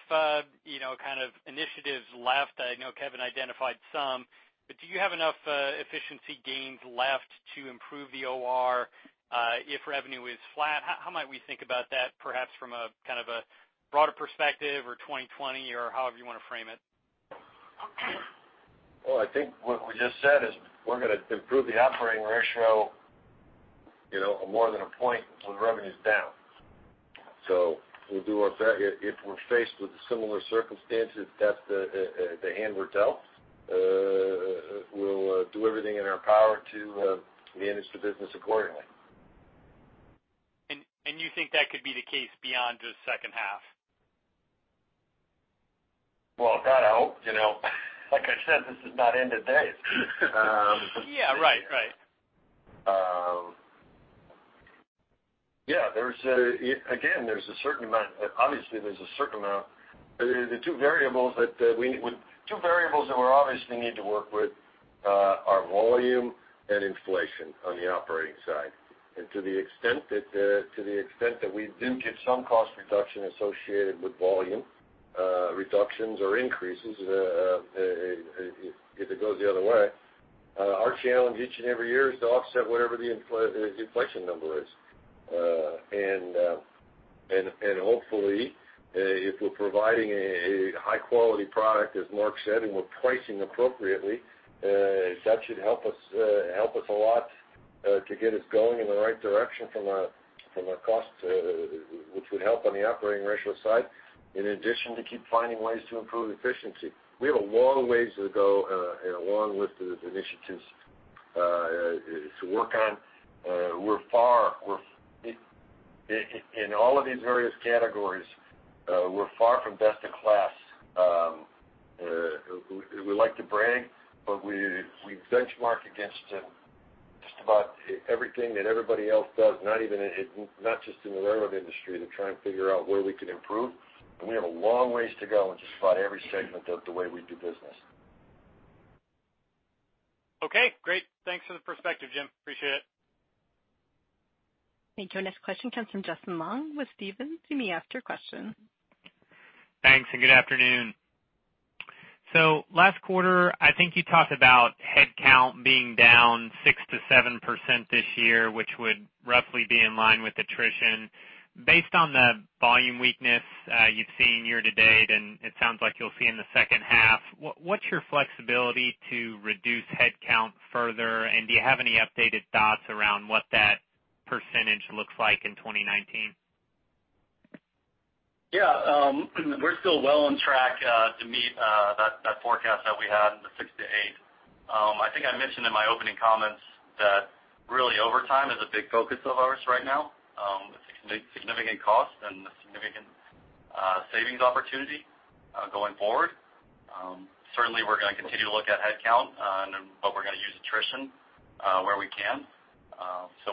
initiatives left? I know Kevin identified some, but do you have enough efficiency gains left to improve the OR if revenue is flat? How might we think about that, perhaps from a kind of a broader perspective or 2020, or however you want to frame it? Well, I think what we just said is we're going to improve the operating ratio more than a point when revenue's down. If we're faced with similar circumstances, that's the hand we're dealt. We'll do everything in our power to manage the business accordingly. You think that could be the case beyond just second half? Well, God, I hope. Like I said, this is not end of days. Yeah, right. Obviously, there's a certain amount. The two variables that we obviously need to work with are volume and inflation on the operating side. To the extent that we do get some cost reduction associated with volume reductions or increases, if it goes the other way, our challenge each and every year is to offset whatever the inflation number is. Hopefully, if we're providing a high-quality product, as Mark said, and we're pricing appropriately, that should help us a lot to get us going in the right direction from a cost, which would help on the operating ratio side, in addition to keep finding ways to improve efficiency. We have a long ways to go and a long list of initiatives to work on. In all of these various categories, we're far from best in class. We like to brag, but we benchmark against just about everything that everybody else does, not just in the railroad industry, to try and figure out where we can improve. We have a long ways to go in just about every segment of the way we do business. Okay, great. Thanks for the perspective, Jim. Appreciate it. Thank you. Our next question comes from Justin Long with Stephens. You may ask your question. Thanks. Good afternoon. Last quarter, I think you talked about headcount being down 6%-7% this year, which would roughly be in line with attrition. Based on the volume weakness you've seen year-to-date, and it sounds like you'll see in the second half, what's your flexibility to reduce headcount further, and do you have any updated thoughts around what that percentage looks like in 2019? We're still well on track to meet that forecast that we had in the 6%-8%. I think I mentioned in my opening comments that really overtime is a big focus of ours right now. It's a significant cost and a significant savings opportunity going forward. Certainly, we're going to continue to look at headcount, but we're going to use attrition where we can.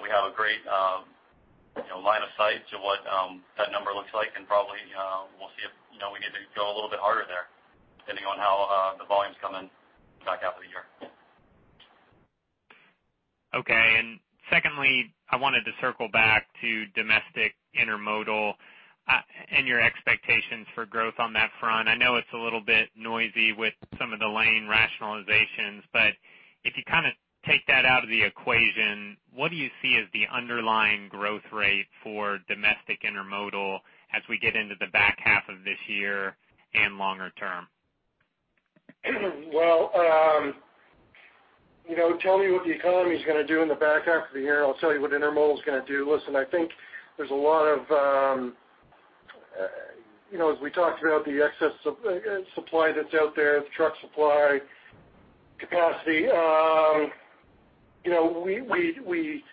We have a great line of sight to what that number looks like, and probably we'll see if we need to go a little bit harder there depending on how the volume's coming back half of the year. Okay. Secondly, I wanted to circle back to domestic intermodal and your expectations for growth on that front. I know it's a little bit noisy with some of the lane rationalizations, but if you take that out of the equation, what do you see as the underlying growth rate for domestic intermodal as we get into the back half of this year and longer term? Well, tell me what the economy's going to do in the back half of the year, and I'll tell you what intermodal is going to do. As we talked about the excess supply that's out there, the truck supply capacity. We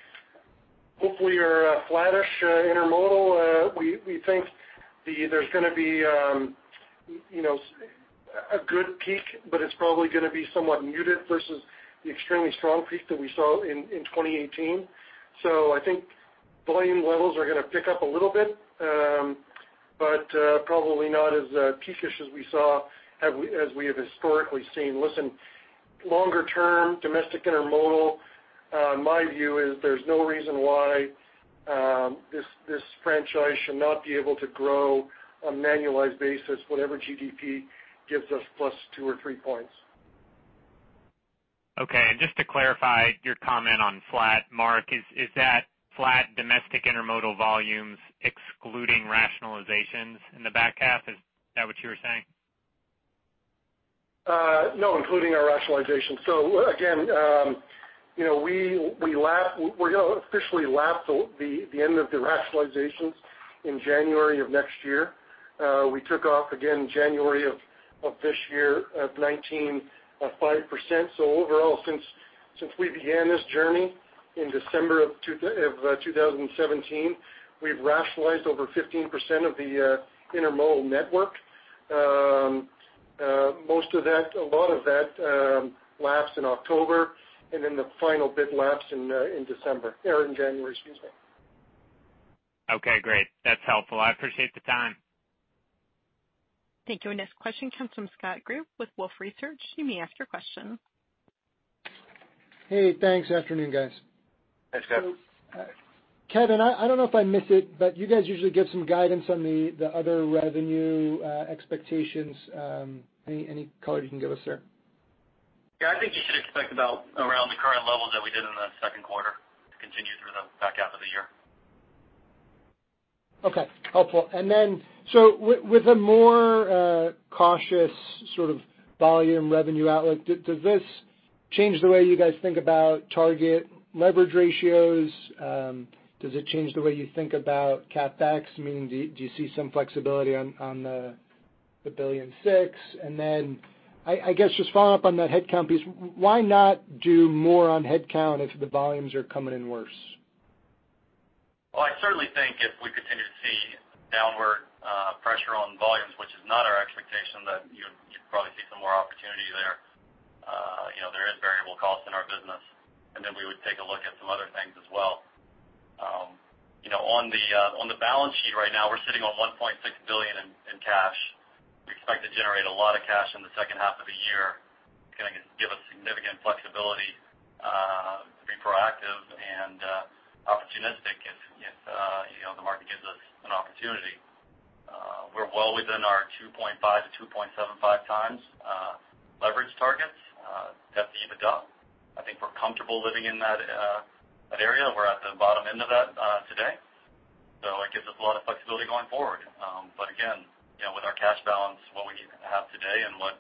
hopefully are flattish intermodal. We think there's going to be a good peak, but it's probably going to be somewhat muted versus the extremely strong peak that we saw in 2018. I think volume levels are going to pick up a little bit, but probably not as peakish as we have historically seen. Longer term, domestic intermodal, my view is there's no reason why this franchise should not be able to grow on an annualized basis whatever GDP gives us plus two or three points. Just to clarify your comment on flat, Mark, is that flat domestic intermodal volumes excluding rationalizations in the back half? Is that what you were saying? No, including our rationalization. Again, we're going to officially lap the end of the rationalizations in January of next year. We took off again in January of this year of 2019, 5%. Overall, since we began this journey in December of 2017, we've rationalized over 15% of the intermodal network. A lot of that lapsed in October, the final bit lapsed in December. In January, excuse me. Great. That's helpful. I appreciate the time. Thank you. Our next question comes from Scott Group with Wolfe Research. You may ask your question. Hey, thanks. Afternoon, guys. Hey, Scott. Kevin, I don't know if I missed it, but you guys usually give some guidance on the other revenue expectations. Any color you can give us there? Yeah, I think you should expect about around the current levels that we did in the second quarter to continue through the back half of the year. Okay. Helpful. With a more cautious sort of volume revenue outlook, does this change the way you guys think about target leverage ratios? Does it change the way you think about CapEx? Meaning, do you see some flexibility on the $1.6 billion? I guess just following up on that headcount piece, why not do more on headcount if the volumes are coming in worse? I certainly think if we continue to see downward pressure on volumes, which is not our expectation, that you'd probably see some more opportunity there. There is variable cost in our business. We would take a look at some other things as well. On the balance sheet right now, we're sitting on $1.6 billion in cash. We expect to generate a lot of cash in the second half of the year, going to give us significant flexibility to be proactive and opportunistic if the market gives us an opportunity. We're well within our 2.5x-2.75x leverage targets, EBITDA. I think we're comfortable living in that area. We're at the bottom end of that today, it gives us a lot of flexibility going forward. Again, with our cash balance, what we have today and what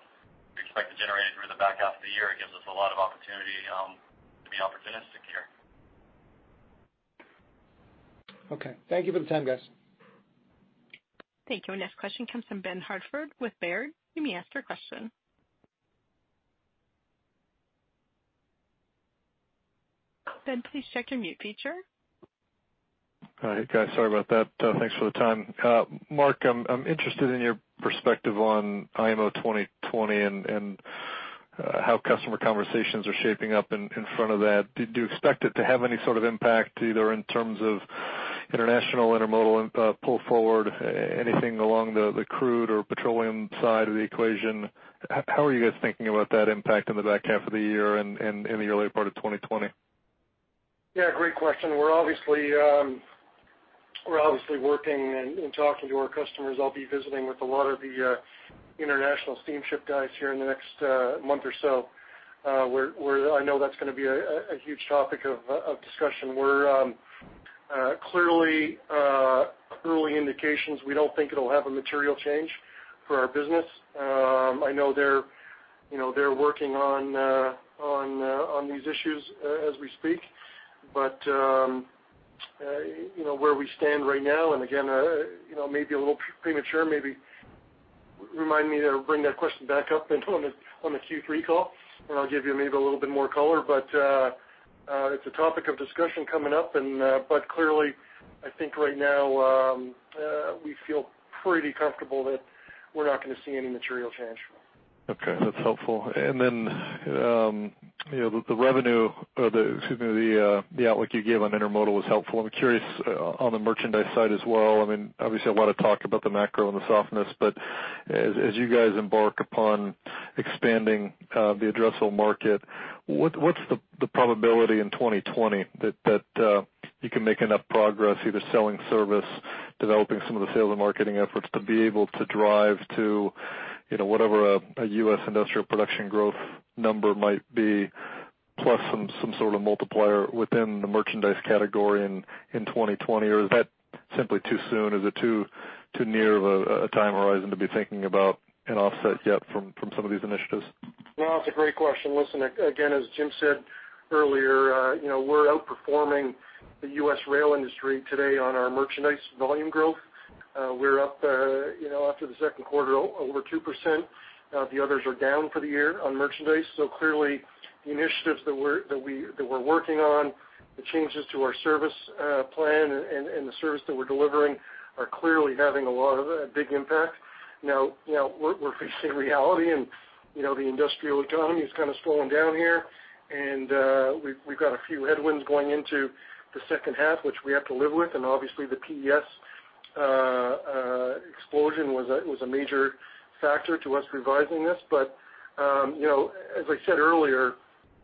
we expect to generate through the back half of the year, it gives us a lot of opportunity to be opportunistic here. Okay. Thank you for the time, guys. Thank you. Our next question comes from Ben Hartford with Baird. You may ask your question. Ben, please check your mute feature. Hi, guys. Sorry about that. Thanks for the time. Mark, I'm interested in your perspective on IMO 2020 and how customer conversations are shaping up in front of that. Do you expect it to have any sort of impact, either in terms of international intermodal pull forward, anything along the crude or petroleum side of the equation? How are you guys thinking about that impact in the back half of the year and in the early part of 2020? Yeah, great question. We're obviously working and talking to our customers. I'll be visiting with a lot of the international steamship guys here in the next month or so, where I know that's going to be a huge topic of discussion. Clearly, early indications, we don't think it'll have a material change for our business. I know they're working on these issues as we speak, but where we stand right now, and again, maybe a little premature, maybe remind me to bring that question back up on the Q3 call, and I'll give you maybe a little bit more color. It's a topic of discussion coming up, but clearly, I think right now, we feel pretty comfortable that we're not going to see any material change. Okay, that's helpful. The outlook you gave on intermodal was helpful. I'm curious on the merchandise side as well. Obviously, a lot of talk about the macro and the softness, as you guys embark upon expanding the addressable market, what's the probability in 2020 that you can make enough progress, either selling service, developing some of the sales and marketing efforts to be able to drive to whatever a U.S. industrial production growth number might be, plus some sort of multiplier within the merchandise category in 2020? Is that simply too soon? Is it too near of a time horizon to be thinking about an offset yet from some of these initiatives? Well, it's a great question. Listen, again, as Jim said earlier, we're outperforming the U.S. rail industry today on our merchandise volume growth. We're up after the second quarter, over 2%. The others are down for the year on merchandise. Clearly, the initiatives that we're working on, the changes to our service plan, and the service that we're delivering are clearly having a big impact. Now, we're facing reality, the industrial economy has kind of swollen down here, we've got a few headwinds going into the second half, which we have to live with, and obviously, the PES explosion was a major factor to us revising this. As I said earlier,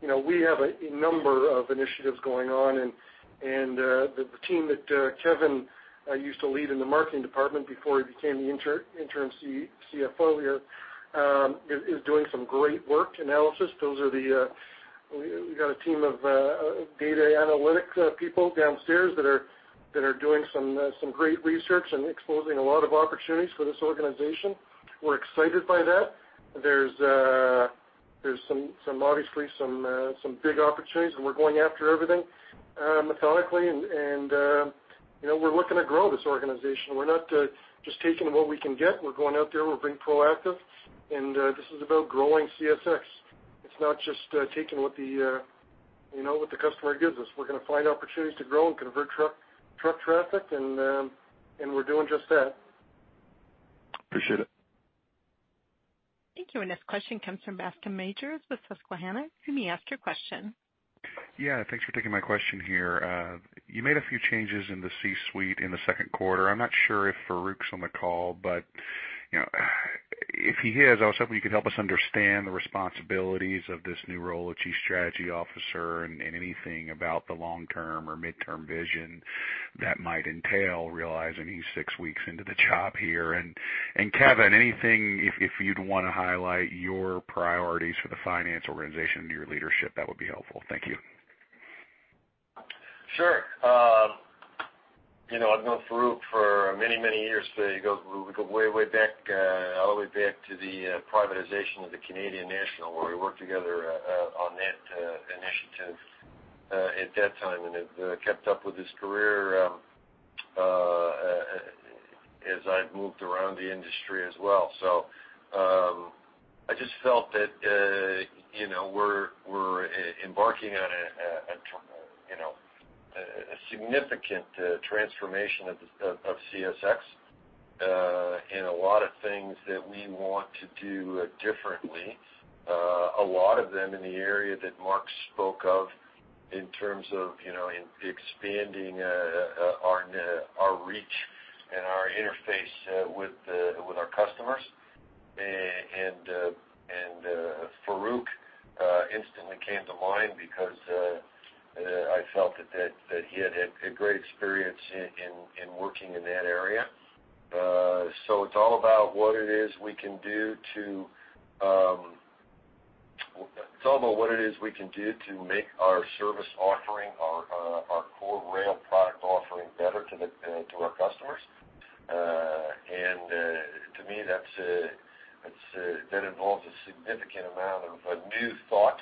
we have a number of initiatives going on, and the team that Kevin used to lead in the marketing department before he became the interim CFO here is doing some great work analysis. We got a team of data analytics people downstairs that are doing some great research and exposing a lot of opportunities for this organization. We're excited by that. There's obviously some big opportunities, we're going after everything methodically, and we're looking to grow this organization. We're not just taking what we can get. We're going out there, we're being proactive, and this is about growing CSX. It's not just taking what the customer gives us. We're going to find opportunities to grow and convert truck traffic, and we're doing just that. Appreciate it. Thank you. Our next question comes from Bascome Majors with Susquehanna. You may ask your question. Yeah. Thanks for taking my question here. You made a few changes in the C-suite in the second quarter. I'm not sure if Farooq is on the call, but if he is, I was hoping you could help us understand the responsibilities of this new role of Chief Strategy Officer and anything about the long term or midterm vision that might entail, realizing he's six weeks into the job here. Kevin, anything, if you'd want to highlight your priorities for the finance organization under your leadership, that would be helpful. Thank you. Sure. I've known Farooq for many years. We go way back, all the way back to the privatization of the Canadian National, where we worked together on that initiative at that time, and have kept up with his career. I've moved around the industry as well. I just felt that we're embarking on a significant transformation of CSX and a lot of things that we want to do differently. A lot of them in the area that Mark spoke of, in terms of expanding our reach and our interface with our customers. Farooq instantly came to mind because I felt that he had had a great experience in working in that area. It's all about what it is we can do to make our service offering, our core rail product offering, better to our customers. To me, that involves a significant amount of a new thought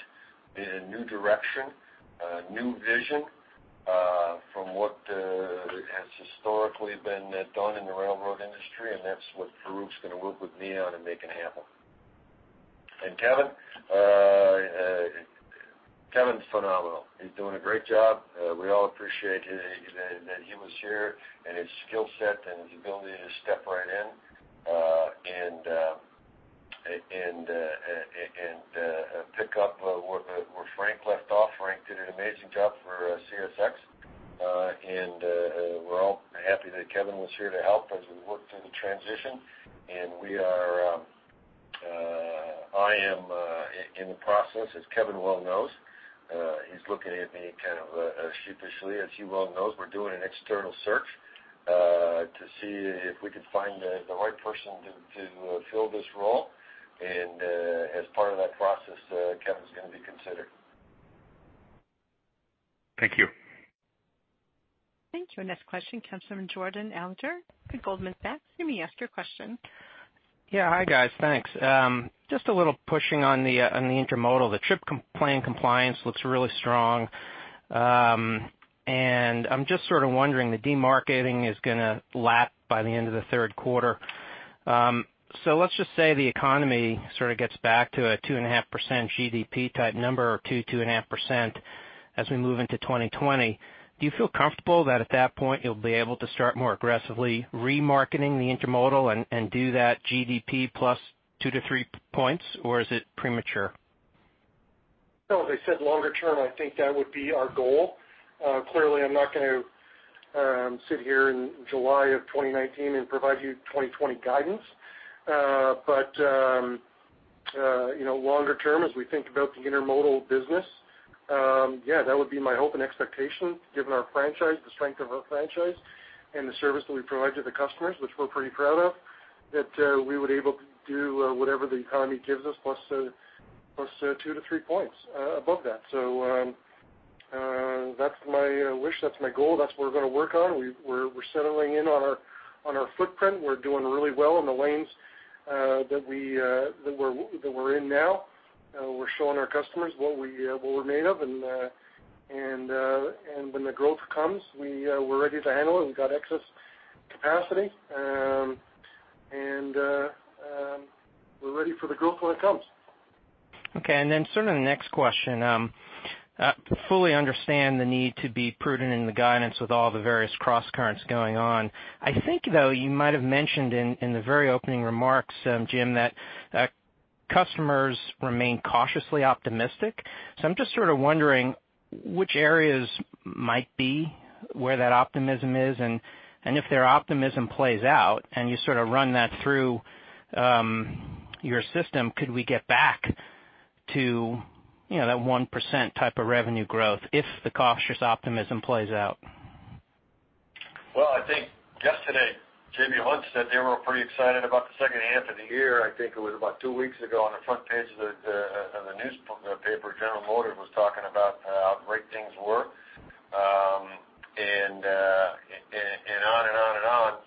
and a new direction, a new vision from what has historically been done in the railroad industry, and that's what Farooq's going to work with me on and make it happen. Kevin's phenomenal. He's doing a great job. We all appreciate that he was here and his skill set and his ability to step right in and pick up where Frank left off. Frank did an amazing job for CSX, and we're all happy that Kevin was here to help as we worked through the transition. I am in the process, as Kevin well knows, he's looking at me kind of sheepishly, as he well knows, we're doing an external search to see if we could find the right person to fill this role. As part of that process, Kevin's going to be considered. Thank you. Thank you. Next question comes from Jordan Alliger at Goldman Sachs. You may ask your question. Yeah. Hi, guys. Thanks. Just a little pushing on the Intermodal, the trip plan compliance looks really strong. I'm just sort of wondering, the demarketing is going to lap by the end of the third quarter. Let's just say the economy sort of gets back to a 2.5% GDP type number or 2.5% as we move into 2020. Do you feel comfortable that at that point, you'll be able to start more aggressively remarketing the Intermodal and do that GDP plus two to three points, or is it premature? As I said, longer term, I think that would be our goal. Clearly, I'm not going to sit here in July of 2019 and provide you 2020 guidance. Longer term, as we think about the Intermodal business, that would be my hope and expectation, given our franchise, the strength of our franchise and the service that we provide to the customers, which we're pretty proud of, that we would able to do whatever the economy gives us, plus 2 to 3 points above that. That's my wish, that's my goal. That's what we're going to work on. We're settling in on our footprint. We're doing really well in the lanes that we're in now. We're showing our customers what we're made of. When the growth comes, we're ready to handle it. We've got excess capacity, and we're ready for the growth when it comes. The next question. Fully understand the need to be prudent in the guidance with all the various crosscurrents going on. I think you might have mentioned in the very opening remarks, Jim, that customers remain cautiously optimistic. I'm just sort of wondering which areas might be where that optimism is and if their optimism plays out and you sort of run that through your system, could we get back to that 1% type of revenue growth if the cautious optimism plays out? I think yesterday Jamie Hunt said they were pretty excited about the second half of the year. I think it was about two weeks ago on the front page of the newspaper, General Motors was talking about how great things were, and on and on and on.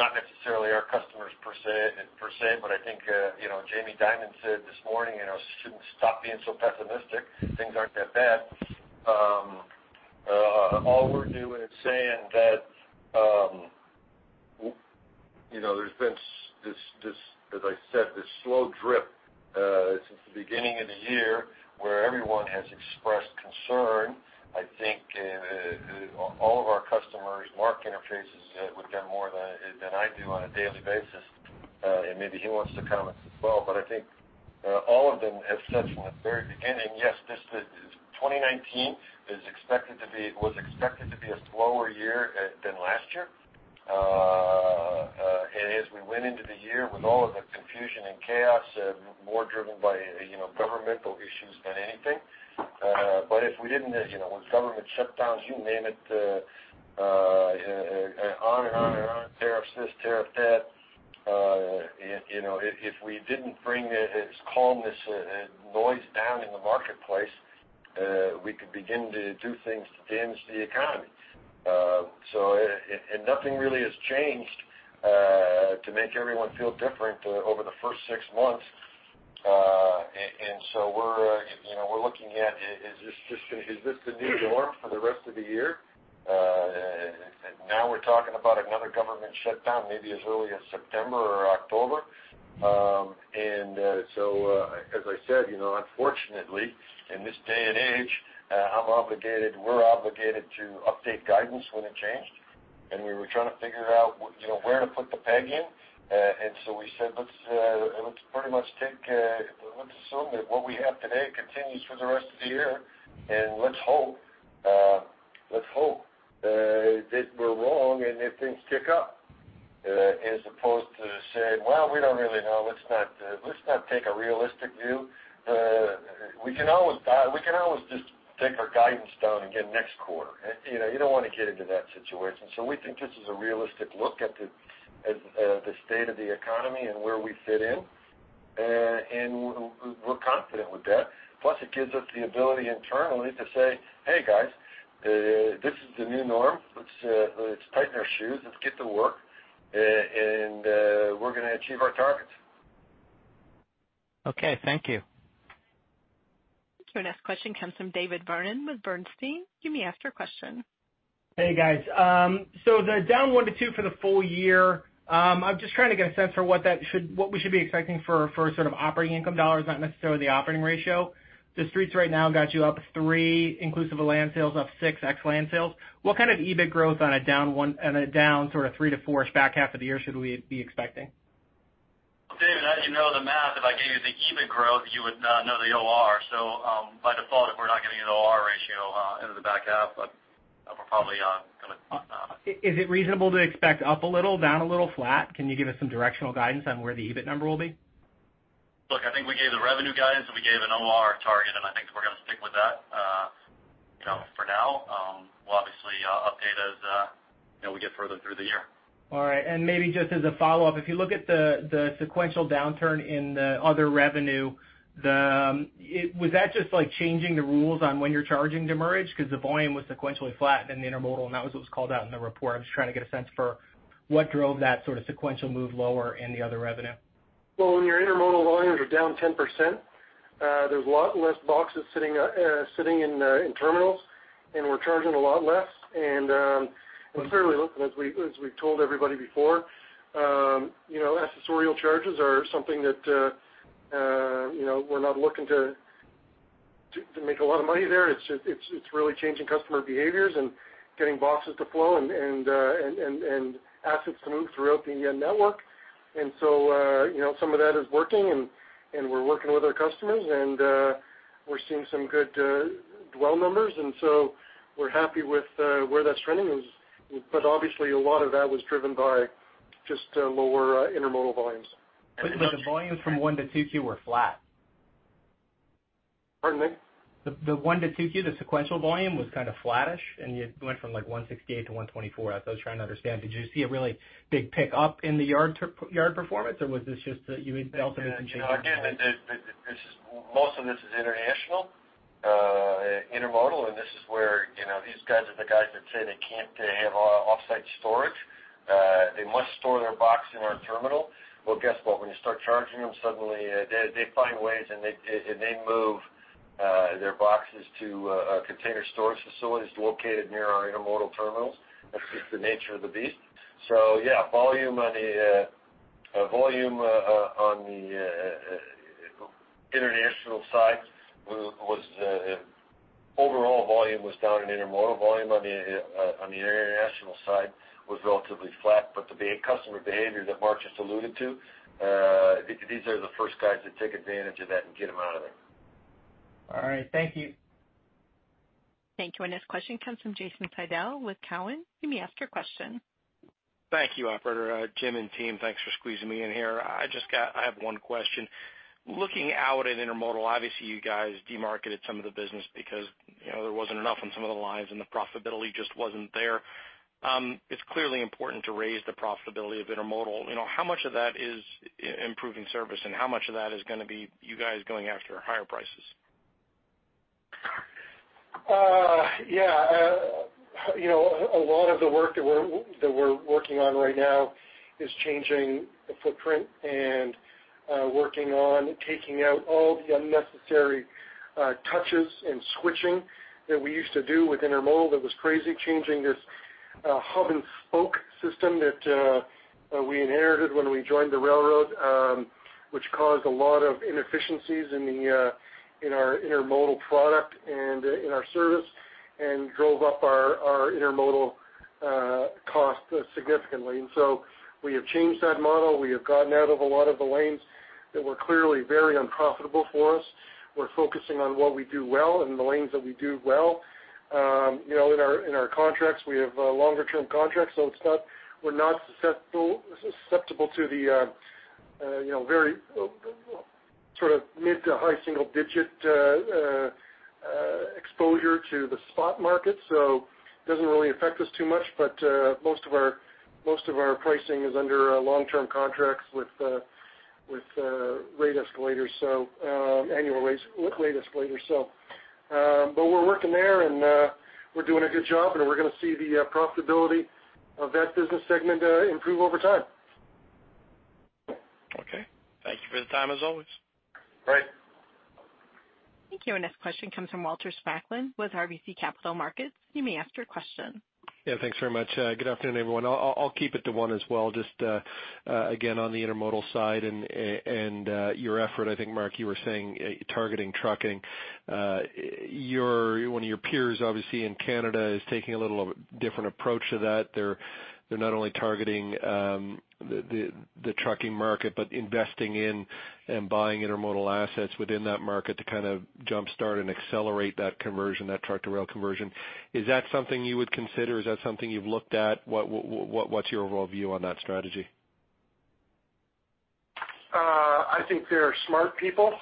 Not necessarily our customers per se, but I think Jamie Dimon said this morning, students, stop being so pessimistic. Things aren't that bad. All we're doing is saying that there's been this, as I said, this slow drip since the beginning of the year where everyone has expressed concern. I think all of our customers, Mark interfaces with them more than I do on a daily basis, and maybe he wants to comment as well, but I think all of them have said from the very beginning, yes, 2019 was expected to be a slower year than last year. As we went into the year with all of the confusion and chaos, more driven by governmental issues than anything. If we didn't, with government shutdowns, you name it, on and on and on, tariff this, tariff that, if we didn't bring calmness and noise down in the marketplace, we could begin to do things to damage the economy. Nothing really has changed to make everyone feel different over the first six months. We're looking at, is this the new norm for the rest of the year? Now we're talking about another government shutdown, maybe as early as September or October. As I said, unfortunately, in this day and age, I'm obligated, we're obligated, to update guidance when it changed. We were trying to figure out where to put the peg in. We said, "Let's assume that what we have today continues for the rest of the year, and let's hope that we're wrong and that things pick up," as opposed to saying, "Well, we don't really know. Let's not take a realistic view." We can always just take our guidance down again next quarter. You don't want to get into that situation. We think this is a realistic look at the state of the economy and where we fit in. We're confident with that. Plus it gives us the ability internally to say, "Hey, guys, this is the new norm. Let's tighten our shoes. Let's get to work, and we're going to achieve our targets. Okay. Thank you. Thank you. Our next question comes from David Vernon with Bernstein. You may ask your question. Hey, guys. The down -1% to -2% for the full year, I'm just trying to get a sense for what we should be expecting for sort of operating income dollars, not necessarily the operating ratio. The Street's right now got you up +3% inclusive of land sales, up +6% ex land sales. What kind of EBIT growth on a down sort of -3% to -4% back half of the year should we be expecting? David, as you know the math, if I gave you the EBIT growth, you would know the OR. By default, if we're not giving you the OR ratio into the back half, we're probably going to. Is it reasonable to expect up a little, down a little, flat? Can you give us some directional guidance on where the EBIT number will be? Look, I think we gave the revenue guidance, and we gave an OR target, and I think we're going to stick with that for now. We'll obviously update as we get further through the year. All right. Maybe just as a follow-up, if you look at the sequential downturn in the other revenue, was that just like changing the rules on when you're charging demurrage? Because the volume was sequentially flat in the intermodal, and that was what was called out in the report. I'm just trying to get a sense for what drove that sort of sequential move lower in the other revenue. Well, when your intermodal volumes are down 10%, there's a lot less boxes sitting in terminals, and we're charging a lot less. Clearly, look, as we've told everybody before, accessorial charges are something that we're not looking to make a lot of money there. It's really changing customer behaviors and getting boxes to flow and assets to move throughout the network. Some of that is working, and we're working with our customers, and we're seeing some good dwell numbers, and so we're happy with where that's trending. Obviously a lot of that was driven by just lower intermodal volumes. The volumes from one to 2Q were flat. Pardon me? The 1Q to 2Q, the sequential volume was kind of flattish, and you went from like 168-124. I was trying to understand, did you see a really big pick up in the yard performance, or was this just that you dealt with some changes in volume? Again, most of this is international intermodal, and this is where these guys are the guys that say they can't have off-site storage. They must store their box in our terminal. Well, guess what? When you start charging them, suddenly they find ways, and they move their boxes to container storage facilities located near our intermodal terminals. That's just the nature of the beast. Yeah, volume on the international side, overall volume was down, and intermodal volume on the international side was relatively flat. The customer behavior that Mark just alluded to, these are the first guys that take advantage of that and get them out of there. All right. Thank you. Thank you. Our next question comes from Jason Seidl with Cowen. You may ask your question. Thank you, operator. Jim and team, thanks for squeezing me in here. I have one question. Looking out at intermodal, obviously, you guys demarketed some of the business because there wasn't enough on some of the lines, and the profitability just wasn't there. It's clearly important to raise the profitability of intermodal. How much of that is improving service, and how much of that is going to be you guys going after higher prices? Yeah. A lot of the work that we're working on right now is changing the footprint and working on taking out all the unnecessary touches and switching that we used to do with intermodal that was crazy. Changing this hub-and-spoke system that we inherited when we joined the railroad, which caused a lot of inefficiencies in our intermodal product and in our service, and drove up our intermodal cost significantly. We have changed that model. We have gotten out of a lot of the lanes that were clearly very unprofitable for us. We're focusing on what we do well and the lanes that we do well. In our contracts, we have longer term contracts, so we're not susceptible to the very sort of mid to high single digit exposure to the spot market. It doesn't really affect us too much. Most of our pricing is under long-term contracts with rate escalators, annual rate escalators. We're working there, and we're doing a good job, and we're going to see the profitability of that business segment improve over time. Okay. Thank you for the time, as always. Great. Thank you. Our next question comes from Walter Spracklin with RBC Capital Markets. You may ask your question. Yeah, thanks very much. Good afternoon, everyone. I'll keep it to one as well. Just, again, on the intermodal side and your effort, I think, Mark, you were saying targeting trucking. One of your peers, obviously, in Canada, is taking a little of a different approach to that. They're not only targeting the trucking market, but investing in and buying intermodal assets within that market to kind of jumpstart and accelerate that conversion, that truck-to-rail conversion. Is that something you would consider? Is that something you've looked at? What's your overall view on that strategy? I think they're smart people.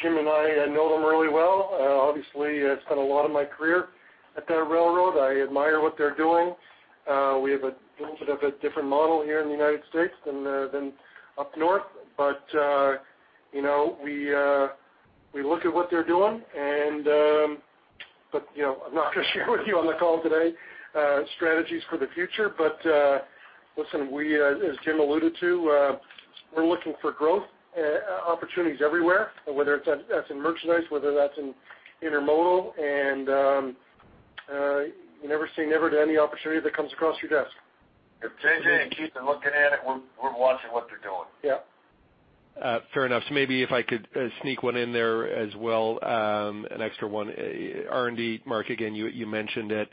Jim and I know them really well. Obviously, I spent a lot of my career at that railroad. I admire what they're doing. We have a little bit of a different model here in the United States than up north. We look at what they're doing, but I'm not going to share with you on the call today strategies for the future. Listen, as Jim alluded to, we're looking for growth opportunities everywhere, whether that's in merchandise, whether that's in intermodal, and you never say never to any opportunity that comes across your desk. If JJ and Keith are looking at it, we're watching what they're doing. Yep. Fair enough. Maybe if I could sneak one in there as well, an extra one. R&D, Mark, again, you mentioned it.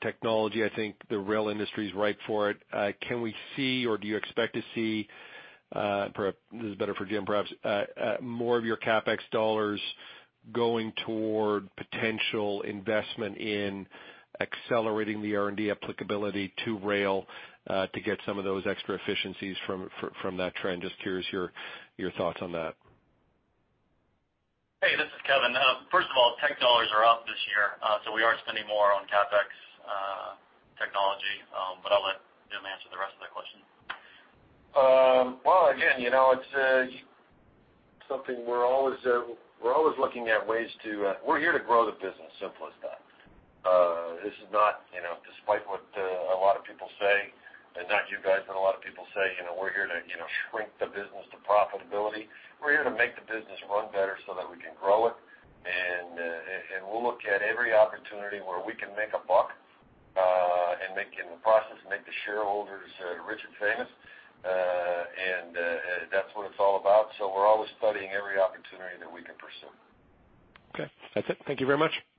Technology, I think the rail industry's ripe for it. Can we see, or do you expect to see, this is better for Jim, perhaps, more of your CapEx dollars going toward potential investment in accelerating the R&D applicability to rail to get some of those extra efficiencies from that trend? Just curious your thoughts on that. Hey, this is Kevin. First of all, tech dollars are up this year. We are spending more on CapEx technology. I'll let Jim answer the rest of that question. Well, again, it's something we're always looking at. We're here to grow the business, simple as that. This is not, despite what a lot of people say, and not you guys, but a lot of people say, we're here to shrink the business to profitability. We're here to make the business run better so that we can grow it. We'll look at every opportunity where we can make a buck, and make in the process, make the shareholders rich and famous. That's what it's all about. We're always studying every opportunity that we can pursue. Okay. That's it. Thank you very much. Great.